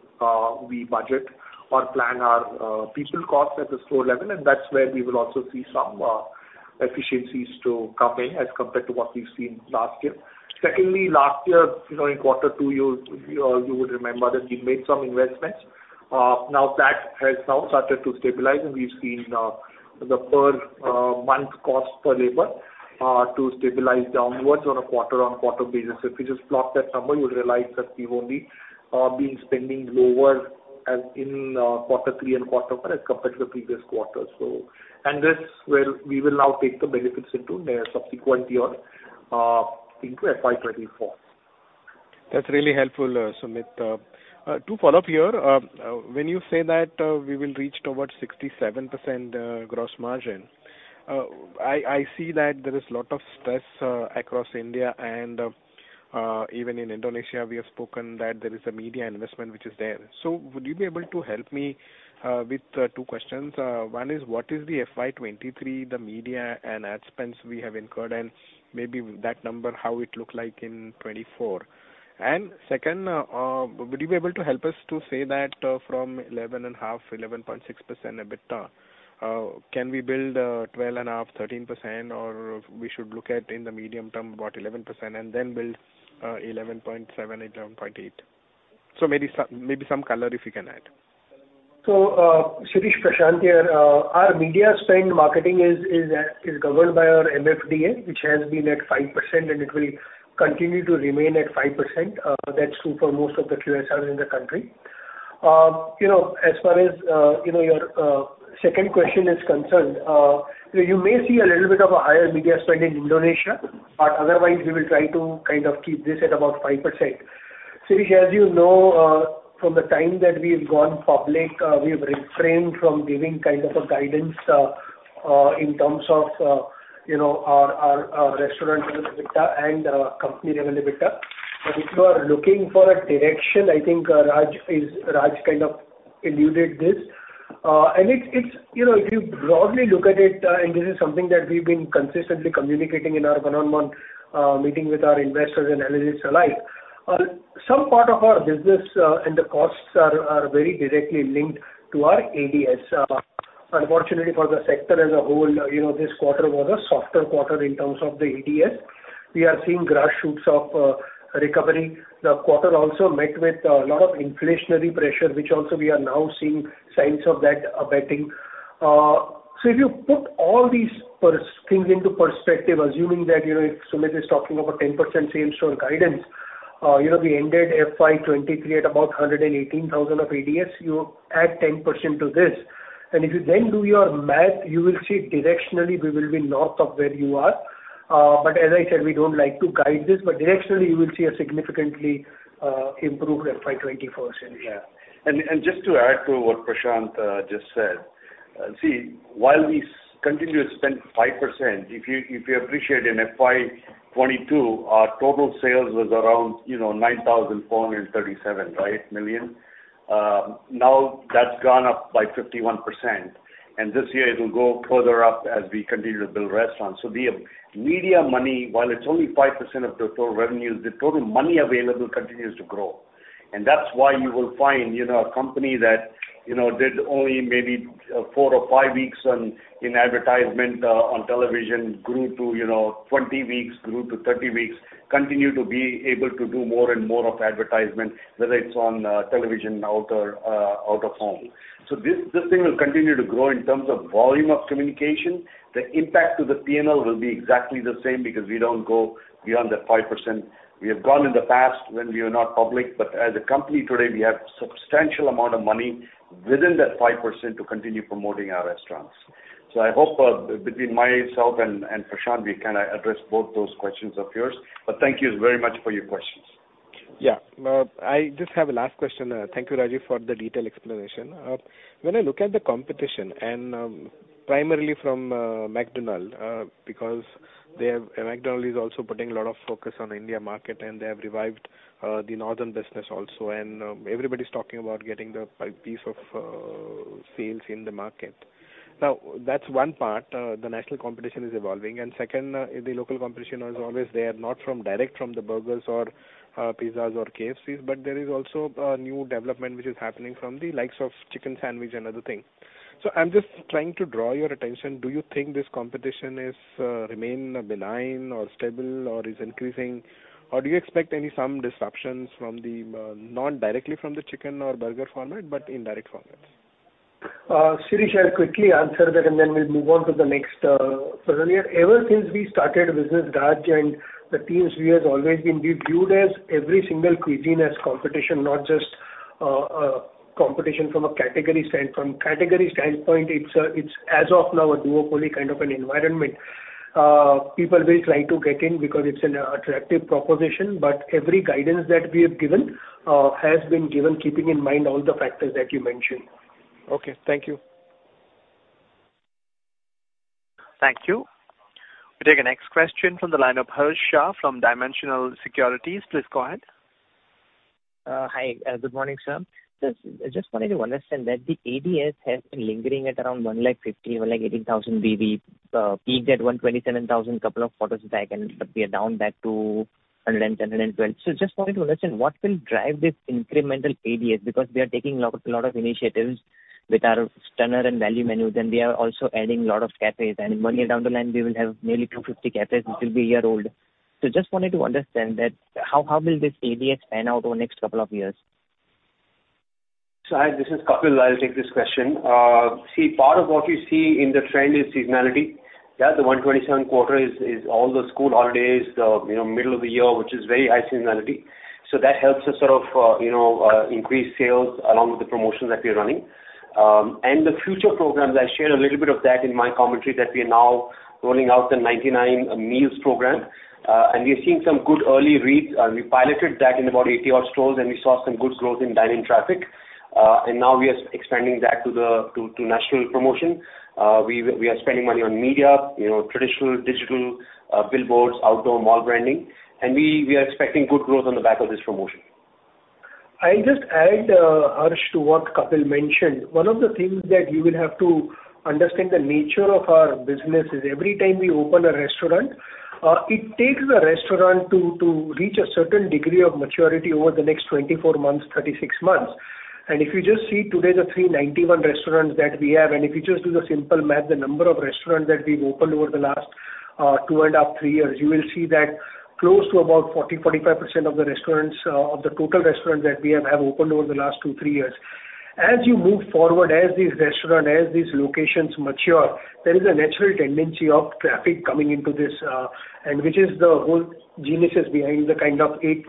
we budget or plan our people costs at the store level, and that's where we will also see some efficiencies to come in as compared to what we've seen last year. Secondly, last year, you know, in Q2, you would remember that we made some investments. Now that has now started to stabilize, and we've seen the per month cost per labor to stabilize downwards on a quarter-on-quarter basis. If you just plot that number, you'll realize that we've only been spending lower as in Q3 and Q4 as compared to the previous quarters. we will now take the benefits into subsequently on, into FY 2024. That's really helpful, Sumit. To follow up here, when you say that we will reach towards 67% gross margin, I see that there is lot of stress across India and even in Indonesia, we have spoken that there is a media investment which is there. Would you be able to help me with two questions? One is what is the FY 2023, the media and ad spends we have incurred, and maybe that number, how it look like in 2024. Second, would you be able to help us to say that from 11.5, 11.6% EBITDA, can we build, 12.5, 13%, or we should look at in the medium term about 11% and then build, 11.7, 11.8? Maybe some color if you can add. Sirish Prasanth here. Our media spend marketing is governed by our MFDA, which has been at 5%, and it will continue to remain at 5%. That's true for most of the QSR in the country. You know, as far as, you know, your second question is concerned, you know, you may see a little bit of a higher media spend in Indonesia, but otherwise we will try to kind of keep this at about 5%. Sirish, as you know, from the time that we've gone public, we've refrained from giving kind of a guidance in terms of, you know, our restaurant level EBITDA and our company level EBITDA. If you are looking for a direction, I think, Raj kind of alluded this. It's, you know, if you broadly look at it, and this is something that we've been consistently communicating in our one-on-one meeting with our investors and analysts alike, some part of our business, and the costs are very directly linked to our ADS. Unfortunately for the sector as a whole, you know, this quarter was a softer quarter in terms of the ADS. We are seeing grassroots of recovery. The quarter also met with a lot of inflationary pressure, which also we are now seeing signs of that abating. If you put all these things into perspective, assuming that, you know, if Sumit is talking about 10% same-store guidance, you know, we ended FY 2023 at about 118,000 of ADS. You add 10% to this, if you then do your math, you will see directionally we will be north of where you are. As I said, we don't like to guide this, but directionally you will see a significantly improved FY 2024 scenario. Just to add to what Prashant just said, see, while we continue to spend 5%, if you, if you appreciate in FY 2022, our total sales was around, you know, 9,437 million. That's gone up by 51%, and this year it will go further up as we continue to build restaurants. The media money, while it's only 5% of the total revenues, the total money available continues to grow. That's why you will find, you know, a company that, you know, did only maybe four or five weeks on, in advertisement on television grew to, you know, 20 weeks, grew to 30 weeks, continue to be able to do more and more of advertisement, whether it's on television now or out-of-home. This thing will continue to grow in terms of volume of communication. The impact to the P&L will be exactly the same because we don't go beyond that 5%. We have gone in the past when we were not public, but as a company today, we have substantial amount of money within that 5% to continue promoting our restaurants. I hope between myself and Prashant we kinda address both those questions of yours. Thank you very much for your questions. Yeah. I just have a last question. Thank you, Rajeev, for the detailed explanation. When I look at the competition and primarily from McDonald's, because McDonald's is also putting a lot of focus on India market, and they have revived the northern business also. Everybody's talking about getting their piece of sales in the market. Now, that's one part. The national competition is evolving. Second, the local competition is always there, not from direct from the burgers or pizzas or KFCs, but there is also new development which is happening from the likes of chicken sandwich and other thing. I'm just trying to draw your attention. Do you think this competition is remain benign or stable or is increasing, or do you expect any some disruptions from the not directly from the chicken or burger format, but indirect formats? Sirish, I'll quickly answer that and then we'll move on to the next presenter. Ever since we started business, Raj and the teams, we've viewed as every single cuisine as competition, not just competition from a category stand. From category standpoint, it's as of now a duopoly kind of an environment. People will try to get in because it's an attractive proposition. Every guidance that we have given has been given keeping in mind all the factors that you mentioned. Okay. Thank you. Thank you. We take our next question from the line of Harsh Shah from Dimensional Securities. Please go ahead. Hi. Good morning, sir. Just wanted to understand that the ADS has been lingering at around 1,50,000, 1,18,000 maybe, peaked at 1,27,000 couple of quarters back. We are down back to 1,10,000-1,20,000. Just wanted to understand what will drive this incremental ADS because we are taking lot of initiatives with our Stunner and value menus and we are also adding lot of cafes and one year down the line we will have nearly 250 cafes which will be a year old. Just wanted to understand that how will this ADS pan out over next couple of years? Hi, this is Kapil. I'll take this question. See, part of what you see in the trend is seasonality. Yeah. The 127 quarter is all the school holidays, the, you know, middle of the year, which is very high seasonality. That helps us sort of, you know, increase sales along with the promotions that we are running. The future programs, I shared a little bit of that in my commentary that we are now rolling out the 99 meals program. We are seeing some good early reads. We piloted that in about 80-odd stores, and we saw some good growth in dine-in traffic. Now we are expanding that to the national promotion. We are spending money on media, you know, traditional, digital, billboards, outdoor mall branding. We are expecting good growth on the back of this promotion. I'll just add, Harsh, to what Kapil mentioned. One of the things that you will have to understand the nature of our business is every time we open a restaurant, it takes the restaurant to reach a certain degree of maturity over the next 24 months, 36 months. If you just see today the 391 restaurants that we have, and if you just do the simple math, the number of restaurants that we've opened over the last, two and a half, three years, you will see that close to about 40, 45% of the restaurants, of the total restaurants that we have have opened over the last two to three years. As you move forward, as these restaurant, as these locations mature, there is a natural tendency of traffic coming into this, which is the whole geniuses behind the kind of 8%,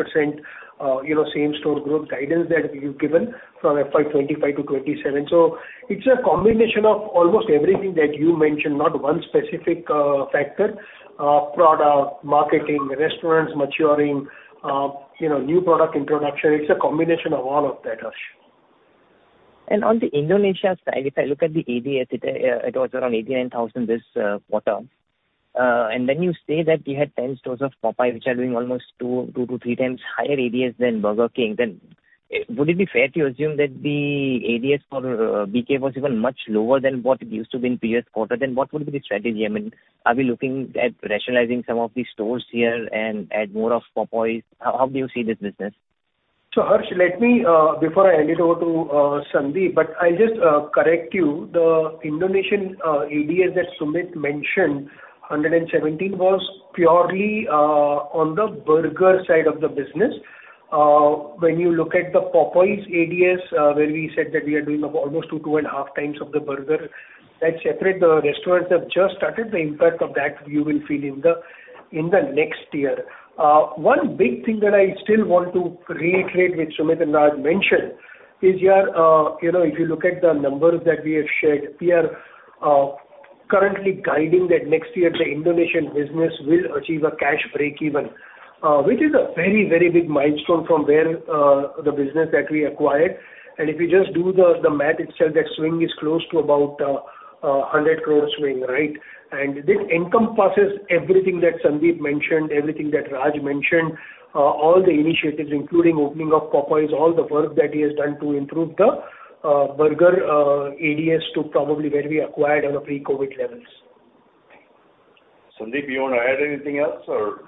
you know, same-store growth guidance that we've given from FY 2025-2027. It's a combination of almost everything that you mentioned, not one specific factor. Product, marketing, restaurants maturing, you know, new product introduction. It's a combination of all of that, Harsh. On the Indonesia side, if I look at the ADS, it was around 89,000 this quarter. You say that you had 10 stores of Popeyes which are doing almost two to three times higher ADS than Burger King. Would it be fair to assume that the ADS for BK was even much lower than what it used to be in previous quarter? What would be the strategy? I mean, are we looking at rationalizing some of these stores here and add more of Popeyes? How do you see this business? Harsh, let me before I hand it over to Sandeep, but I'll just correct you. The Indonesian ADS that Sumit mentioned, 117, was purely on the burger side of the business. When you look at the Popeyes ADS, where we said that we are doing almost 2.5 times of the burger, that's separate. The restaurants have just started. The impact of that you will feel in the next year. One big thing that I still want to reiterate, which Sumit and Raj mentioned, is your, you know, if you look at the numbers that we have shared, we are currently guiding that next year the Indonesian business will achieve a cash breakeven, which is a very, very big milestone from where the business that we acquired. If you just do the math itself, that swing is close to about 100 crore swing, right? This encompasses everything that Sandeep mentioned, everything that Rajeev mentioned, all the initiatives including opening of Popeyes, all the work that he has done to improve the burger ADS to probably where we acquired on a pre-COVID levels. Sandeep, you wanna add anything else or...?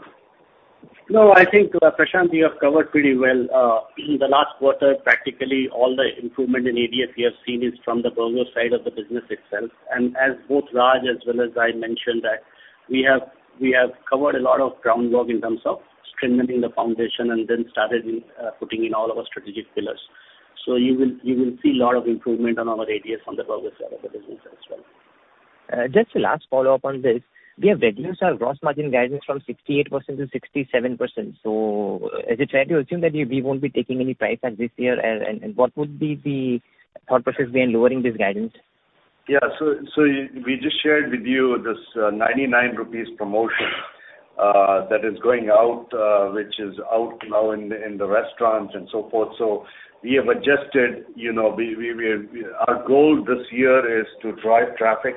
No, I think, Prashant, you have covered pretty well. In the last quarter, practically all the improvement in ADS we have seen is from the burger side of the business itself. As both Raj as well as I mentioned that we have covered a lot of groundwork in terms of strengthening the foundation and then started in putting in all of our strategic pillars. You will see lot of improvement on our ADS on the burger side of the business as well. Just a last follow-up on this. We have reduced our gross margin guidance from 68% to 67%. Is it fair to assume that we won't be taking any price cut this year? What would be the thought process behind lowering this guidance? We just shared with you this 99 rupees promotion that is going out, which is out now in the restaurants and so forth. We have adjusted, you know, we. Our goal this year is to drive traffic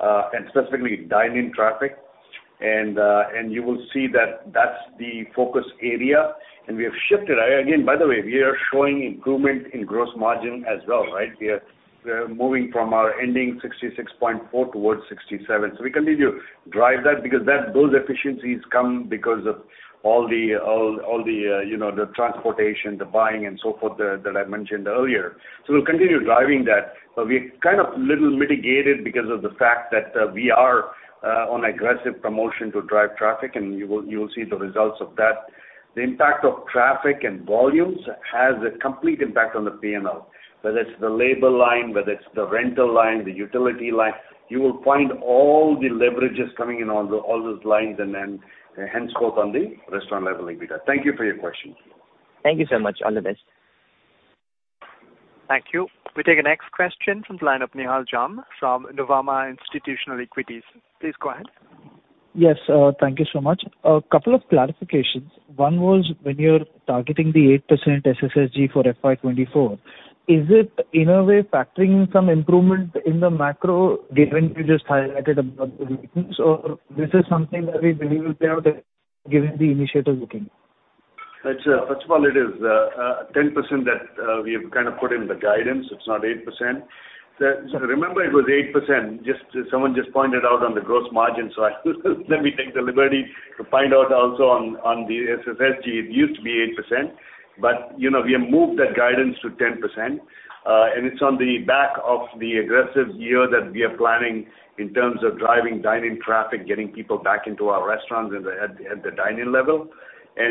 and specifically dine-in traffic and you will see that that's the focus area and we have shifted. Again, by the way, we are showing improvement in gross margin as well, right? We are moving from our ending 66.4 towards 67. We continue to drive that because that, those efficiencies come because of all the, you know, the transportation, the buying and so forth that I mentioned earlier. We'll continue driving that. We kind of little mitigated because of the fact that we are on aggressive promotion to drive traffic and you will see the results of that. The impact of traffic and volumes has a complete impact on the P&L, whether it's the labor line, whether it's the rental line, the utility line, you will find all the leverages coming in on all those lines hence both on the restaurant level EBITDA. Thank you for your question. Thank you so much. All the best. Thank you. We take the next question from the line of Nihal Jham from Nuvama Institutional Equities. Please go ahead. Yes, thank you so much. A couple of clarifications. One was when you're targeting the 8% SSSG for FY 2024, is it in a way factoring some improvement in the macro given you just highlighted about the regions or this is something that we believe will play out given the initiatives you're taking? It's first of all it is 10% that we have kind of put in the guidance. It's not 8%. Remember it was 8%, someone just pointed out on the gross margin. Let me take the liberty to find out also on the SSSG. It used to be 8%. You know, we have moved that guidance to 10%. It's on the back of the aggressive year that we are planning in terms of driving dine-in traffic, getting people back into our restaurants at the dine-in level.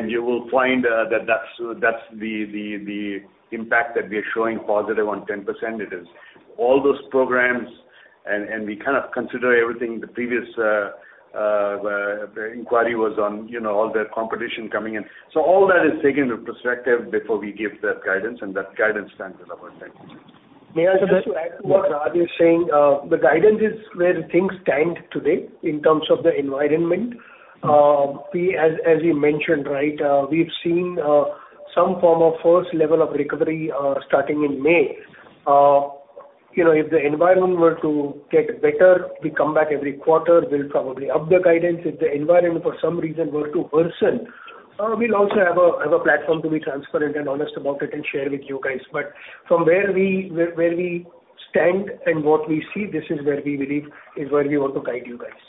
You will find, that that's the impact that we are showing positive on 10%. It is all those programs and we kind of consider everything. The previous inquiry was on, you know, all the competition coming in. All that is taken into perspective before we give that guidance and that guidance stands at about 10%. Nihal, just to add to what Raj is saying, the guidance is where things stand today in terms of the environment. We as you mentioned, right, we've seen some form of first level of recovery starting in May. You know, if the environment were to get better, we come back every quarter, we'll probably up the guidance. If the environment for some reason were to worsen, we'll also have a, have a platform to be transparent and honest about it and share with you guys. But from where we, where we stand and what we see, this is where we believe is where we want to guide you guys.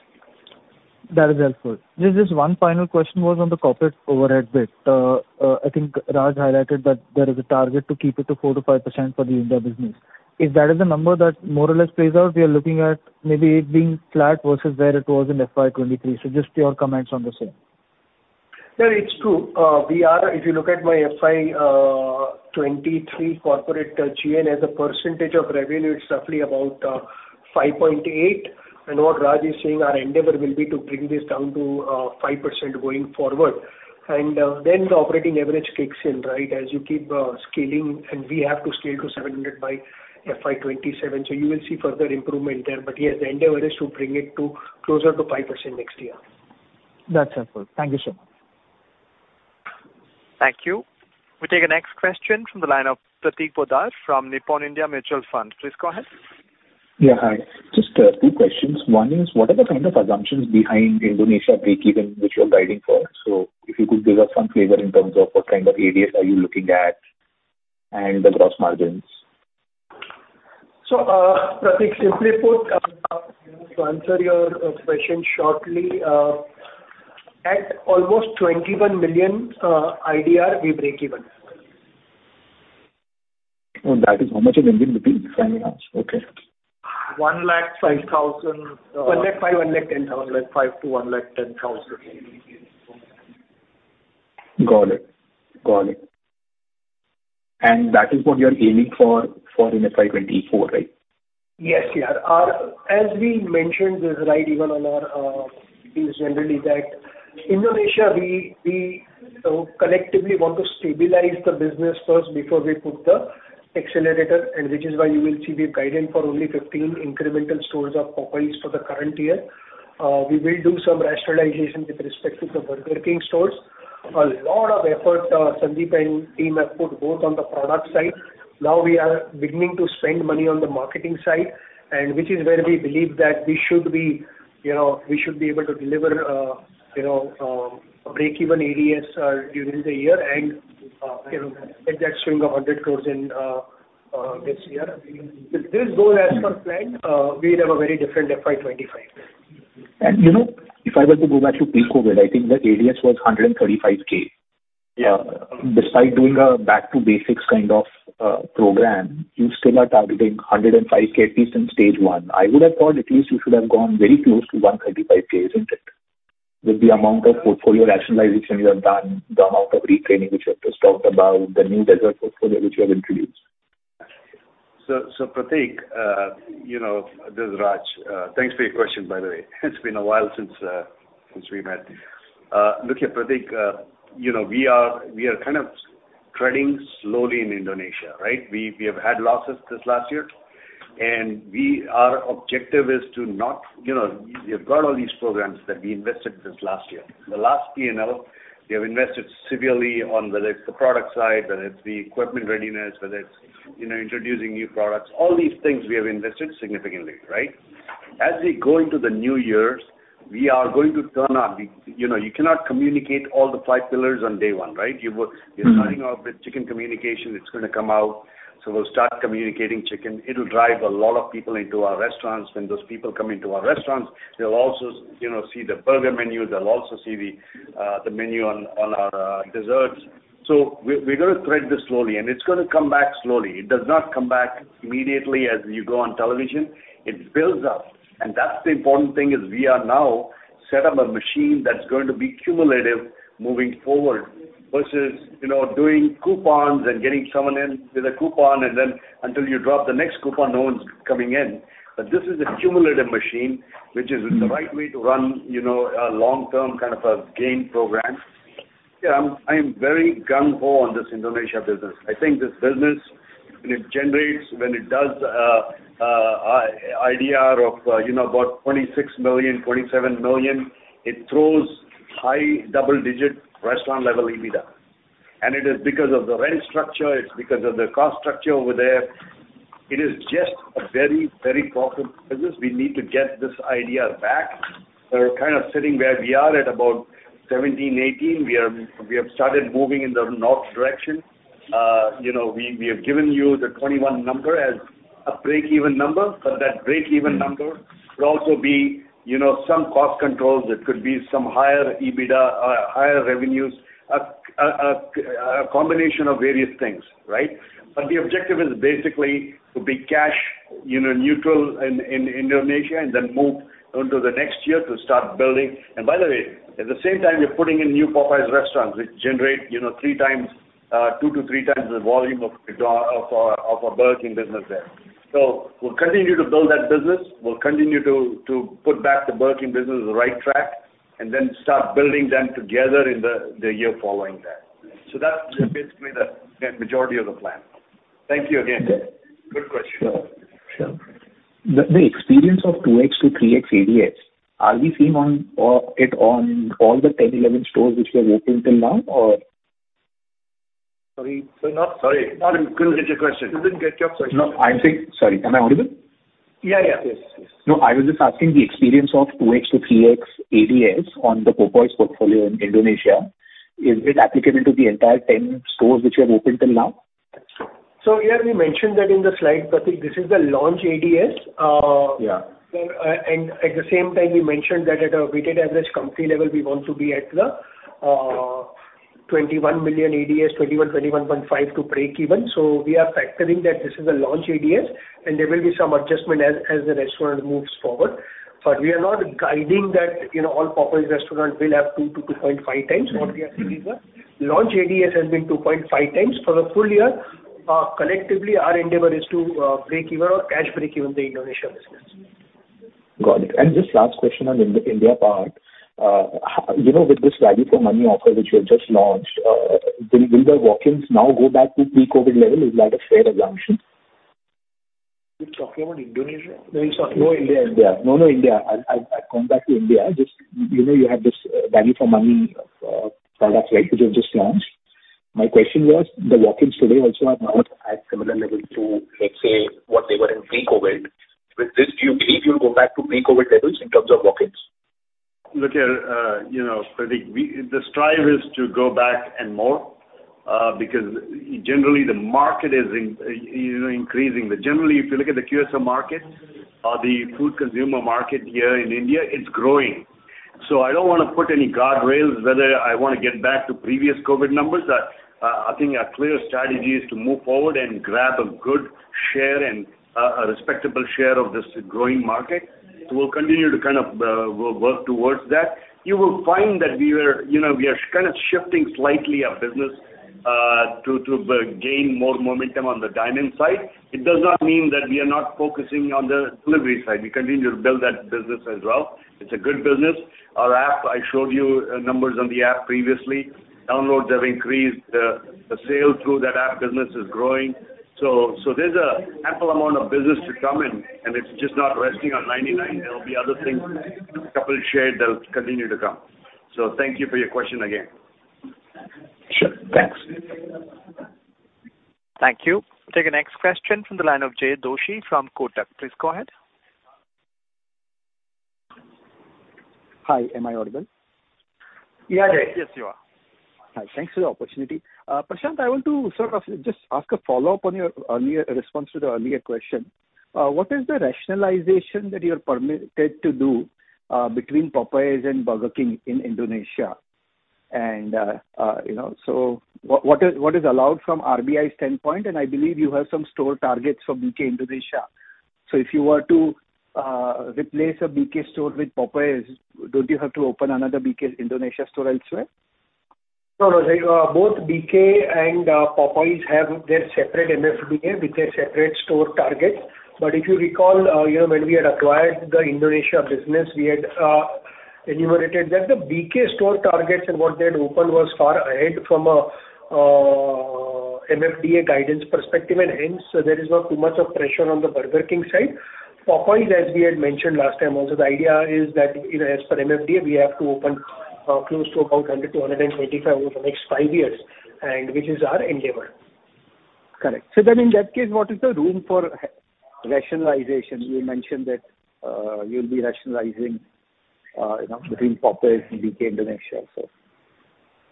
That is helpful. Just one final question was on the corporate overhead bit. I think Raj highlighted that there is a target to keep it to 4%-5% for the India business. If that is the number that more or less plays out, we are looking at maybe it being flat versus where it was in FY 2023. Just your comments on the same. Yeah, it's true. We are, if you look at my FY 2023 corporate G&A as a percentage of revenue, it's roughly about 5.8. What Raj is saying, our endeavor will be to bring this down to 5% going forward. Then the operating leverage kicks in, right? As you keep scaling and we have to scale to 700 by FY 2027. You will see further improvement there. Yes, the endeavor is to bring it to closer to 5% next year. That's helpful. Thank you so much. Thank you. We take the next question from the line of Prateek Poddar from Nippon India Mutual Fund. Please go ahead. Yeah. Hi. Just two questions. One is what are the kind of assumptions behind Indonesia breakeven which you're guiding for? If you could give us some flavor in terms of what kind of ADS are you looking at and the gross margins? Prateek, simply put, you know, to answer your question shortly, at almost IDR 21 million we breakeven. Oh, that is how much in Indian rupee? Sorry, Raj. Okay. One lakh five thousand, uh- One lakh five, one lakh ten thousand. One lakh five to one lakh ten thousand. Got it. Got it. That is what you are aiming for in FY 2024, right? Yes. As we mentioned, this right even on our things generally that Indonesia, we collectively want to stabilize the business first before we put the accelerator. Which is why you will see the guidance for only 15 incremental stores of Popeyes for the current year. We will do some rationalization with respect to the Burger King stores. A lot of effort, Sandeep and team have put both on the product side. Now we are beginning to spend money on the marketing side. Which is where we believe that we should be, you know, we should be able to deliver, you know, a break-even ADS during the year. Get that swing of 100 crores in this year. If this goes as per plan, we'll have a very different FY 2025. You know, if I were to go back to pre-COVID, I think that ADS was 135,000. Yeah. Despite doing a Back to Basics kind of program, you still are targeting 105K at least in stage one. I would have thought at least you should have gone very close to 135K, isn't it? With the amount of portfolio rationalization you have done, the amount of retraining which you have just talked about, the new dessert portfolio which you have introduced. Prateek, you know, this is Raj. Thanks for your question, by the way. It's been a while since we met. Look here, Prateek, you know, we are kind of treading slowly in Indonesia, right? We have had losses this last year. Our objective is to not... You know, we have got all these programs that we invested this last year. The last P&L, we have invested severely on whether it's the product side, whether it's the equipment readiness, whether it's, you know, introducing new products. All these things we have invested significantly, right? We go into the new year, we are going to turn on the... You know, you cannot communicate all the five pillars on day one, right? Mm-hmm. You're starting off with chicken communication. It's gonna come out. We'll start communicating chicken. It'll drive a lot of people into our restaurants. When those people come into our restaurants, they'll also, you know, see the burger menu. They'll also see the menu on our desserts. We're gonna tread this slowly, and it's gonna come back slowly. It does not come back immediately as you go on television. It builds up. That's the important thing, is we are now set up a machine that's going to be cumulative moving forward versus, you know, doing coupons and getting someone in with a coupon, and then until you drop the next coupon, no one's coming in. This is a cumulative machine, which is the right way to run, you know, a long-term kind of a gain program. Yeah, I'm very gung-ho on this Indonesia business. I think this business, when it generates, when it does a IDR of, you know, about 26 million-27 million, it throws high double-digit restaurant level EBITDA. It is because of the rent structure, it's because of the cost structure over there. It is just a very, very profitable business. We need to get this IDR back. We're kind of sitting where we are at about 17, 18. We have started moving in the north direction. You know, we have given you the 21 number as a break-even number, but that break-even number could also be, you know, some cost controls. It could be some higher EBITDA or higher revenues, a combination of various things, right? The objective is basically to be cash, you know, neutral in Indonesia and then move onto the next year to start building. By the way, at the same time, we're putting in new Popeyes restaurants, which generate, you know, three times, two to three times the volume of our Burger King business there. We'll continue to build that business. We'll continue to put back the Burger King business on the right track and then start building them together in the year following that. That's basically the majority of the plan. Thank you again. Good question. Sure. Sure. The experience of 2x to 3x ADS, are we seeing on it on all the 10, 11 stores which we have opened till now or? Sorry. Sorry. Couldn't get your question. Didn't get your question. Sorry, am I audible? Yeah, yeah. Yes, yes. I was just asking the experience of 2x to 3x ADS on the Popeyes portfolio in Indonesia. Is it applicable to the entire 10 stores which you have opened till now? Yeah, we mentioned that in the slide, Prateek. This is the launch ADS. Yeah. At the same time, we mentioned that at a weighted average company level, we want to be at the 21 million ADS, 21-21.5 to break even. We are factoring that this is a launch ADS, and there will be some adjustment as the restaurant moves forward. We are not guiding that, you know, all Popeyes restaurants will have 2-2.5 times what we are seeing now. Launch ADS has been 2.5 times. For the full year, collectively our endeavor is to break even or cash break even the Indonesia business. Got it. Just last question on In-India part. you know, with this value for money offer which you have just launched, will the walk-ins now go back to pre-COVID level? Is that a fair assumption? You're talking about Indonesia? No. No, India. No, India. I come back to India. Just, you know, you have this value for money products, right, which you have just launched. My question was, the walk-ins today also are not at similar levels to, let's say, what they were in pre-COVID. With this, do you believe you'll go back to pre-COVID levels in terms of walk-ins? Look here, you know, Prateek, the strive is to go back and more, because generally the market is increasing. Generally, if you look at the QSR market, the food consumer market here in India, it's growing. I don't wanna put any guardrails whether I wanna get back to previous COVID numbers. I think our clear strategy is to move forward and grab a good share and a respectable share of this growing market. We'll continue to kind of work towards that. You will find that we are, you know, we are kind of shifting slightly our business to gain more momentum on the dine-in side. It does not mean that we are not focusing on the delivery side. We continue to build that business as well. It's a good business. Our app, I showed you numbers on the app previously. Downloads have increased. The sales through that app business is growing. There's a ample amount of business to come in, and it's just not resting on 99. There'll be other things Kapil shared that will continue to come. Thank you for your question again. Sure. Thanks. Thank you. Take the next question from the line of Jay Doshi from Kotak. Please go ahead. Hi, am I audible? Yeah. Yes, you are. Hi. Thanks for the opportunity. Prashant, I want to sort of just ask a follow-up on your earlier response to the earlier question. What is the rationalization that you are permitted to do between Popeyes and Burger King in Indonesia? you know, what is allowed from RBI's standpoint, and I believe you have some store targets for BK Indonesia. If you were to replace a BK store with Popeyes, don't you have to open another BK Indonesia store elsewhere? No, no. Both BK and Popeyes have their separate MFDA with their separate store targets. If you recall, you know, when we had acquired the Indonesia business, we had enumerated that the BK store targets and what they had opened was far ahead from a MFDA guidance perspective. Hence there is not too much of pressure on the Burger King side. Popeyes, as we had mentioned last time also, the idea is that, you know, as per MFDA, we have to open close to about 100-125 over the next five years. Which is our endeavor. Correct. In that case, what is the room for rationalization? You mentioned that, you'll be rationalizing, you know, between Popeyes and BK Indonesia also.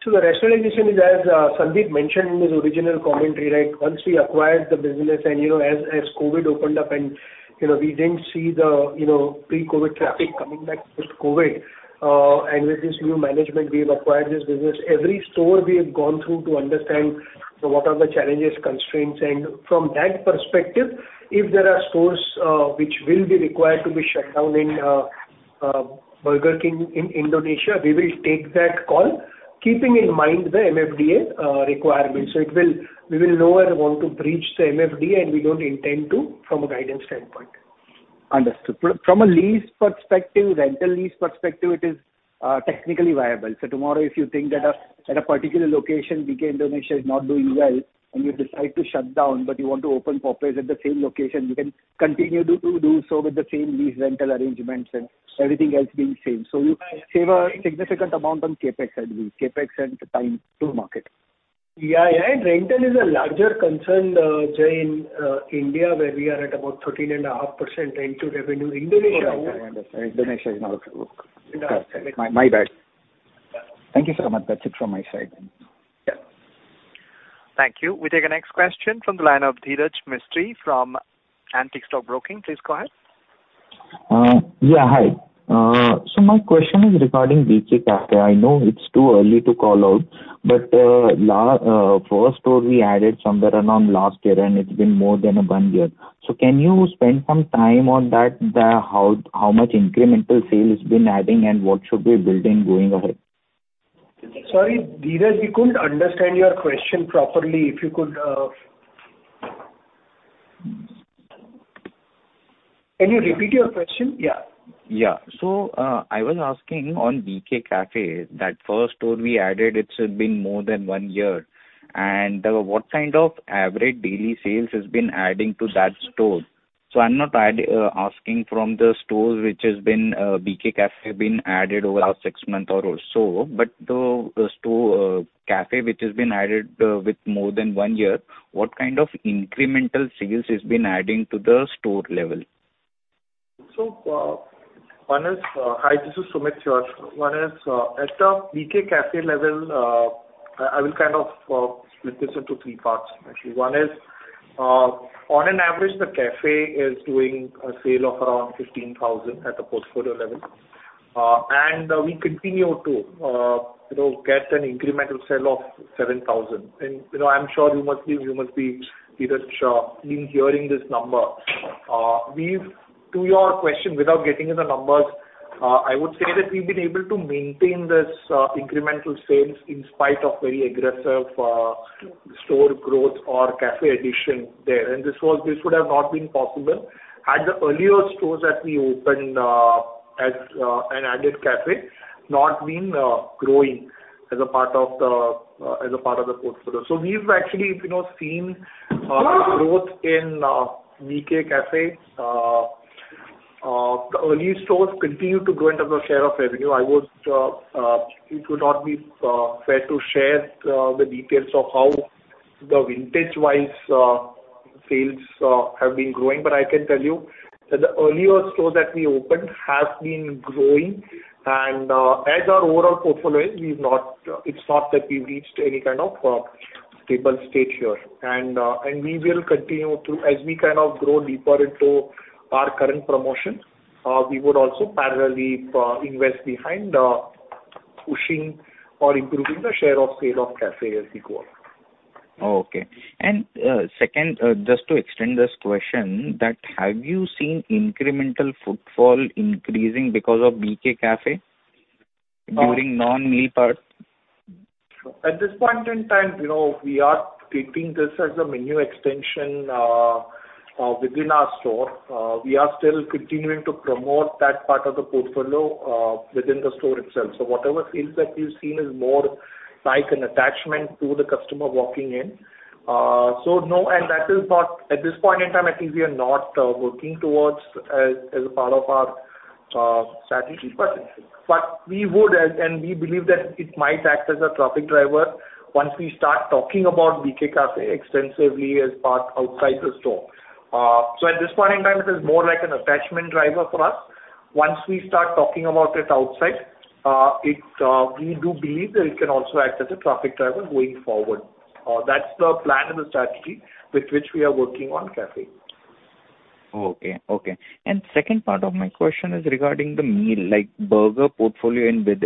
The rationalization is, as Sandeep mentioned in his original commentary, right, once we acquired the business and, you know, as COVID opened up and, you know, we didn't see the, you know, pre-COVID traffic coming back post-COVID, and with this new management, we have acquired this business. Every store we have gone through to understand what are the challenges, constraints. From that perspective, if there are stores which will be required to be shut down in Burger King in Indonesia, we will take that call, keeping in mind the MFDA requirements. We will nowhere want to breach the MFDA, and we don't intend to from a guidance standpoint. Understood. From a lease perspective, rental lease perspective, it is technically viable. Tomorrow, if you think that a particular location, BK Indonesia is not doing well and you decide to shut down, but you want to open Popeyes at the same location, you can continue to do so with the same lease rental arrangements and everything else being same. You save a significant amount on CapEx, I believe. CapEx and time to market. Yeah. Rental is a larger concern, Jay, in India, where we are at about 13.5% rent to revenue. Indonesia... Yeah. I understand. Indonesia is not... Okay. My bad. Thank you so much. That's it from my side. Yeah. Thank you. We take the next question from the line of Dhiraj Mistry from Antique Stock Broking. Please go ahead. Hi. My question is regarding BK Café. I know it's too early to call out, but first store we added sometime around last year, and it's been more than one year. Can you spend some time on that, how much incremental sale it's been adding and what should be building going ahead? Sorry, Dheeraj, we couldn't understand your question properly. If you could, Can you repeat your question? Yeah. Yeah. I was asking on BK Café, that first store we added, it's been more than one year, and what kind of average daily sales has been adding to that store? I'm not asking from the stores which has been BK Café added over last six months or so, but the store cafe which has been added with more than one year, what kind of incremental sales has been adding to the store level? Hi, this is Sumit here. One is at the BK Café level, I will kind of split this into three parts actually. One is on an average, the cafe is doing a sale of around 15,000 at the portfolio level. We continue to, you know, get an incremental sale of 7,000. You know, I'm sure you must be, Dheeraj, been hearing this number. To your question, without getting into the numbers, I would say that we've been able to maintain this incremental sales in spite of very aggressive store growth or cafe addition there. This would have not been possible had the earlier stores that we opened as an added BK Café not been growing as a part of the portfolio. We've actually, you know, seen growth in BK Café. The early stores continue to grow into the share of revenue. I would it would not be fair to share the details of how the vintage-wise sales have been growing, but I can tell you that the earlier store that we opened has been growing. As our overall portfolio is, we've not it's not that we've reached any kind of stable state here. As we kind of grow deeper into our current promotion, we would also parallelly, invest behind pushing or improving the share of sale of Café as we go on. Oh, okay. Second, just to extend this question, that have you seen incremental footfall increasing because of BK Café? Uh- during non-meal parts? At this point in time, you know, we are treating this as a menu extension within our store. We are still continuing to promote that part of the portfolio within the store itself. Whatever sales that we've seen is more like an attachment to the customer walking in. At this point in time, I think we are not working towards as a part of our strategy. We would and we believe that it might act as a traffic driver once we start talking about BK Café extensively as part outside the store. At this point in time, this is more like an attachment driver for us. Once we start talking about it outside, it, we do believe that it can also act as a traffic driver going forward. That's the plan and the strategy with which we are working on Café. Okay. Second part of my question is regarding the meal. Like, burger portfolio in with,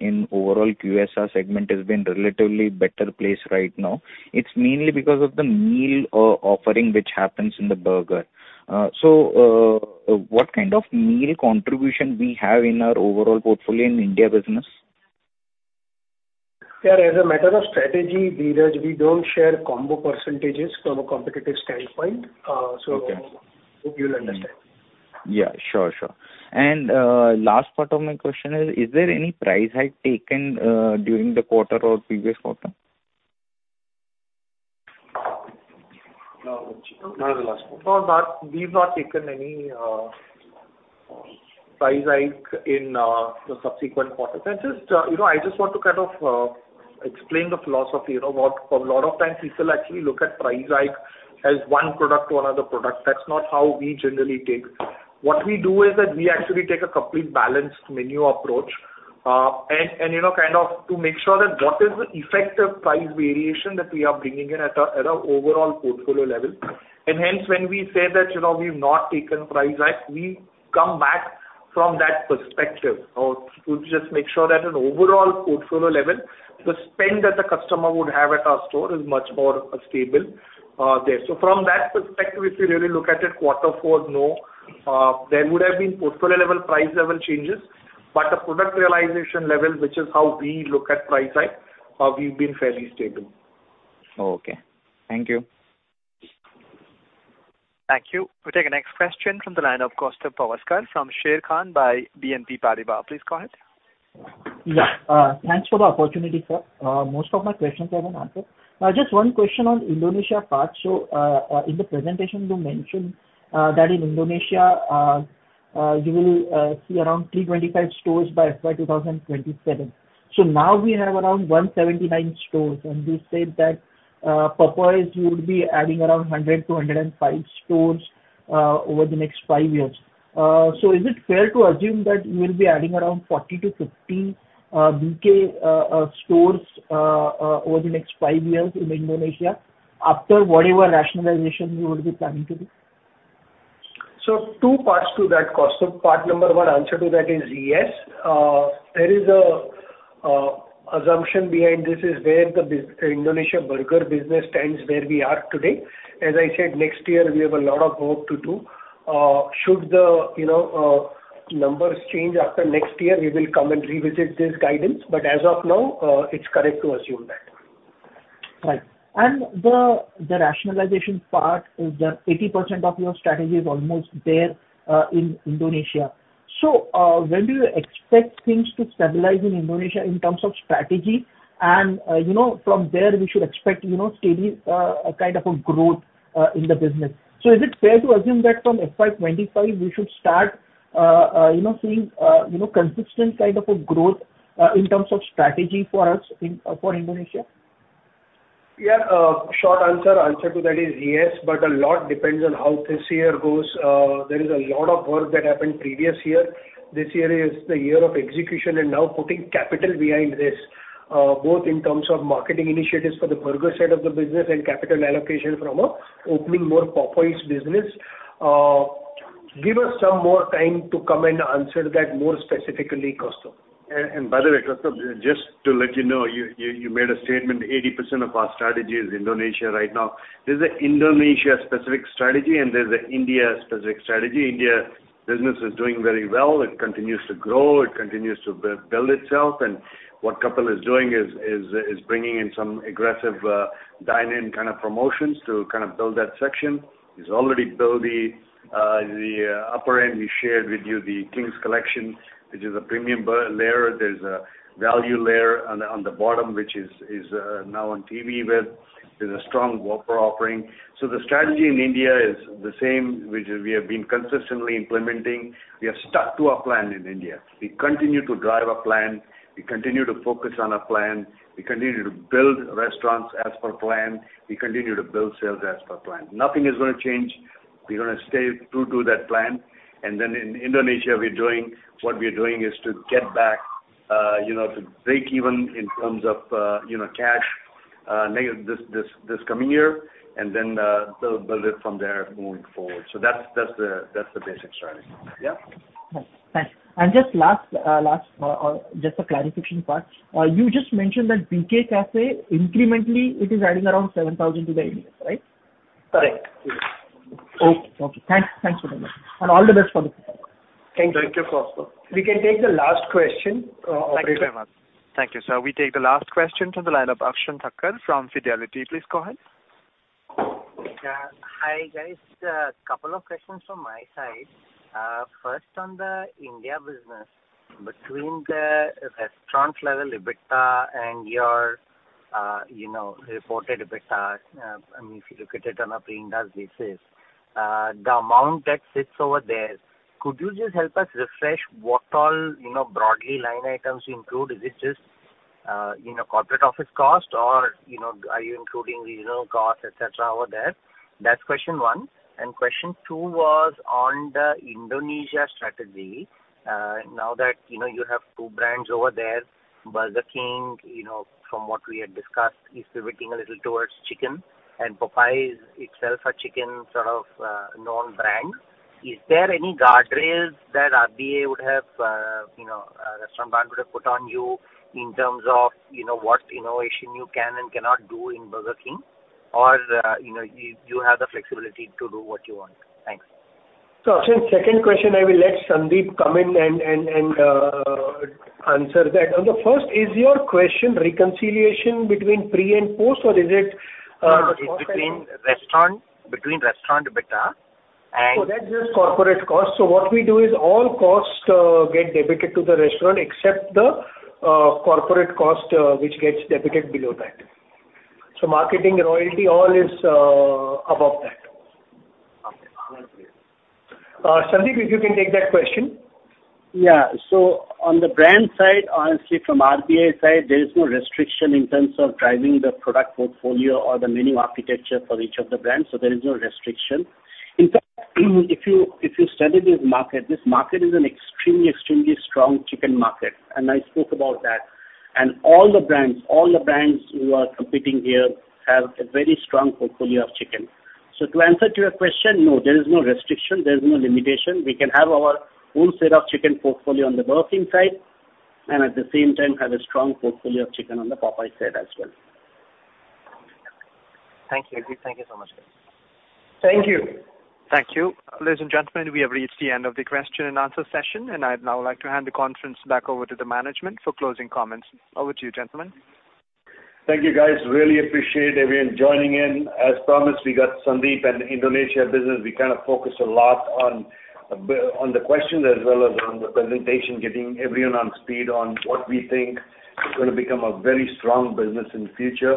in overall QSR segment has been relatively better placed right now. It's mainly because of the meal offering which happens in the burger. What kind of meal contribution we have in our overall portfolio in India business? Yeah, as a matter of strategy, Dheeraj, we don't share combo percentages from a competitive standpoint. Okay. hope you'll understand. Sure. Sure. Last part of my question is there any price hike taken during the quarter or previous quarter? No. Not in the last quarter. We've not taken any price hike in the subsequent quarter. Just, you know, I just want to kind of explain the philosophy. You know, A lot of times people actually look at price hike as one product to another product. That's not how we generally take. What we do is that we actually take a complete balanced menu approach. And, you know, kind of to make sure that what is the effective price variation that we are bringing in at a overall portfolio level. When we say that, you know, we've not taken price hike, we come back from that perspective of to just make sure that at overall portfolio level, the spend that the customer would have at our store is much more stable there. From that perspective, if you really look at it Q4, no. There would have been portfolio level price level changes, but the product realization level, which is how we look at price hike, we've been fairly stable. Okay. Thank you. Thank you. We take the next question from the line of Kaustubh Pawaskar from Sharekhan by BNP Paribas. Please go ahead. Yeah. Thanks for the opportunity, sir. Most of my questions have been answered. Just one question on Indonesia part. In the presentation you mentioned that in Indonesia, you will see around 325 stores by FY 2027. Now we have around 179 stores, and you said that you would be adding around 100-105 stores over the next five years. Is it fair to assume that you will be adding around 40-50 BK stores over the next five years in Indonesia after whatever rationalization you would be planning to do? Two parts to that, Kaustubh. Part number one answer to that is yes. There is a assumption behind this is where the Indonesia burger business stands where we are today. As I said, next year we have a lot of work to do. Should the, you know, numbers change after next year, we will come and revisit this guidance. As of now, it's correct to assume that. Right. The rationalization part is that 80% of your strategy is almost there in Indonesia. When do you expect things to stabilize in Indonesia in terms of strategy? From there we should expect, you know, steady kind of a growth in the business. Is it fair to assume that from FY 2025 we should start, you know, seeing, you know, consistent kind of a growth in terms of strategy for us for Indonesia? Short answer. Answer to that is yes. A lot depends on how this year goes. There is a lot of work that happened previous year. This year is the year of execution and now putting capital behind this, both in terms of marketing initiatives for the burger side of the business and capital allocation from a opening more Popeyes business. Give us some more time to come and answer that more specifically, Kaustubh. And by the way, Kaustubh, just to let you know, you made a statement, 80% of our strategy is Indonesia right now. There's a Indonesia specific strategy and there's a India specific strategy. India business is doing very well. It continues to grow, it continues to build itself. What Kapil is doing is bringing in some aggressive dine-in kind of promotions to kind of build that section. He's already built the upper end. We shared with you the King's Collection, which is a premium layer. There's a value layer on the bottom, which is now on TV with. There's a strong Whopper offering. The strategy in India is the same, which is we have been consistently implementing. We have stuck to our plan in India. We continue to drive our plan. We continue to focus on our plan. We continue to build restaurants as per plan. We continue to build sales as per plan. Nothing is gonna change. We're gonna stay true to that plan. In Indonesia, what we're doing is to get back, you know, to break even in terms of, you know, cash negative this coming year and then build it from there moving forward. That's the basic strategy. Yeah. Thanks. Just last or just a clarification part. You just mentioned that BK Café incrementally it is adding around 7,000 to the EBITDA, right? Correct. Okay. Okay. Thanks. Thanks for the information. All the best for the future. Thank you. Thank you, Kaustubh. We can take the last question. Thank you very much. Thank you. We take the last question from the line of Akshen Thakkar from Fidelity. Please go ahead. Hi, guys. Couple of questions from my side. First on the India business. Between the restaurant level EBITDA and your, you know, reported EBITDA, I mean, if you look at it on a pre-Ind AS basis, the amount that sits over there, could you just help us refresh what all, you know, broadly line items you include? Is this just, you know, corporate office cost or, you know, are you including regional costs, et cetera, over there? That's question one. Question two was on the Indonesia strategy. Now that you know you have two brands over there, Burger King, you know, from what we had discussed is pivoting a little towards chicken and Popeyes itself are chicken sort of, known brand. Is there any guardrails that RBA would have, you know, restaurant brand would have put on you in terms of, you know, what innovation you can and cannot do in Burger King? Or, you know, you have the flexibility to do what you want. Thanks. Akshen, second question I will let Sandeep comment and answer that. On the first is your question reconciliation between pre and post or is it? No, it's between restaurant EBITDA and- That's just corporate costs. What we do is all costs get debited to the restaurant except the corporate cost which gets debited below that. Marketing and royalty all is above that. Okay. Sandeep, if you can take that question. On the brand side, honestly from RBA side, there is no restriction in terms of driving the product portfolio or the menu architecture for each of the brands. There is no restriction. In fact, if you study this market, this market is an extremely strong chicken market, and I spoke about that. All the brands who are competing here have a very strong portfolio of chicken. To answer to your question, no, there is no restriction, there is no limitation. We can have our own set of chicken portfolio on the Burger King side and at the same time have a strong portfolio of chicken on the Popeyes side as well. Thank you. Thank you so much. Thank you. Thank you. Ladies and gentlemen, we have reached the end of the question and answer session. I'd now like to hand the conference back over to the management for closing comments. Over to you, gentlemen. Thank you guys, really appreciate everyone joining in. As promised, we got Sandeep and Indonesia business. We kind of focused a lot on the questions as well as on the presentation, getting everyone on speed on what we think is gonna become a very strong business in the future.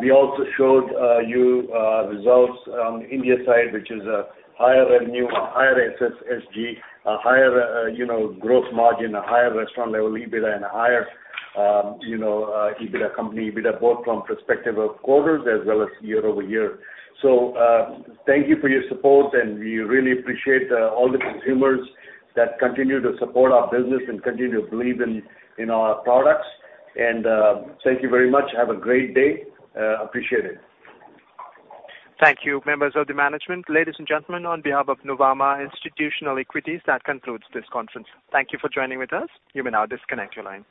We also showed you results on India side, which is a higher revenue, a higher SSSG, a higher, you know, growth margin, a higher restaurant level EBITDA and a higher, you know, EBITDA company, EBITDA both from perspective of quarters as well as year-over-year. Thank you for your support, and we really appreciate all the consumers that continue to support our business and continue to believe in our products. Thank you very much. Have a great day. Appreciate it. Thank you, members of the management. Ladies and gentlemen, on behalf of Nuvama Institutional Equities, that concludes this conference. Thank you for joining with us. You may now disconnect your line.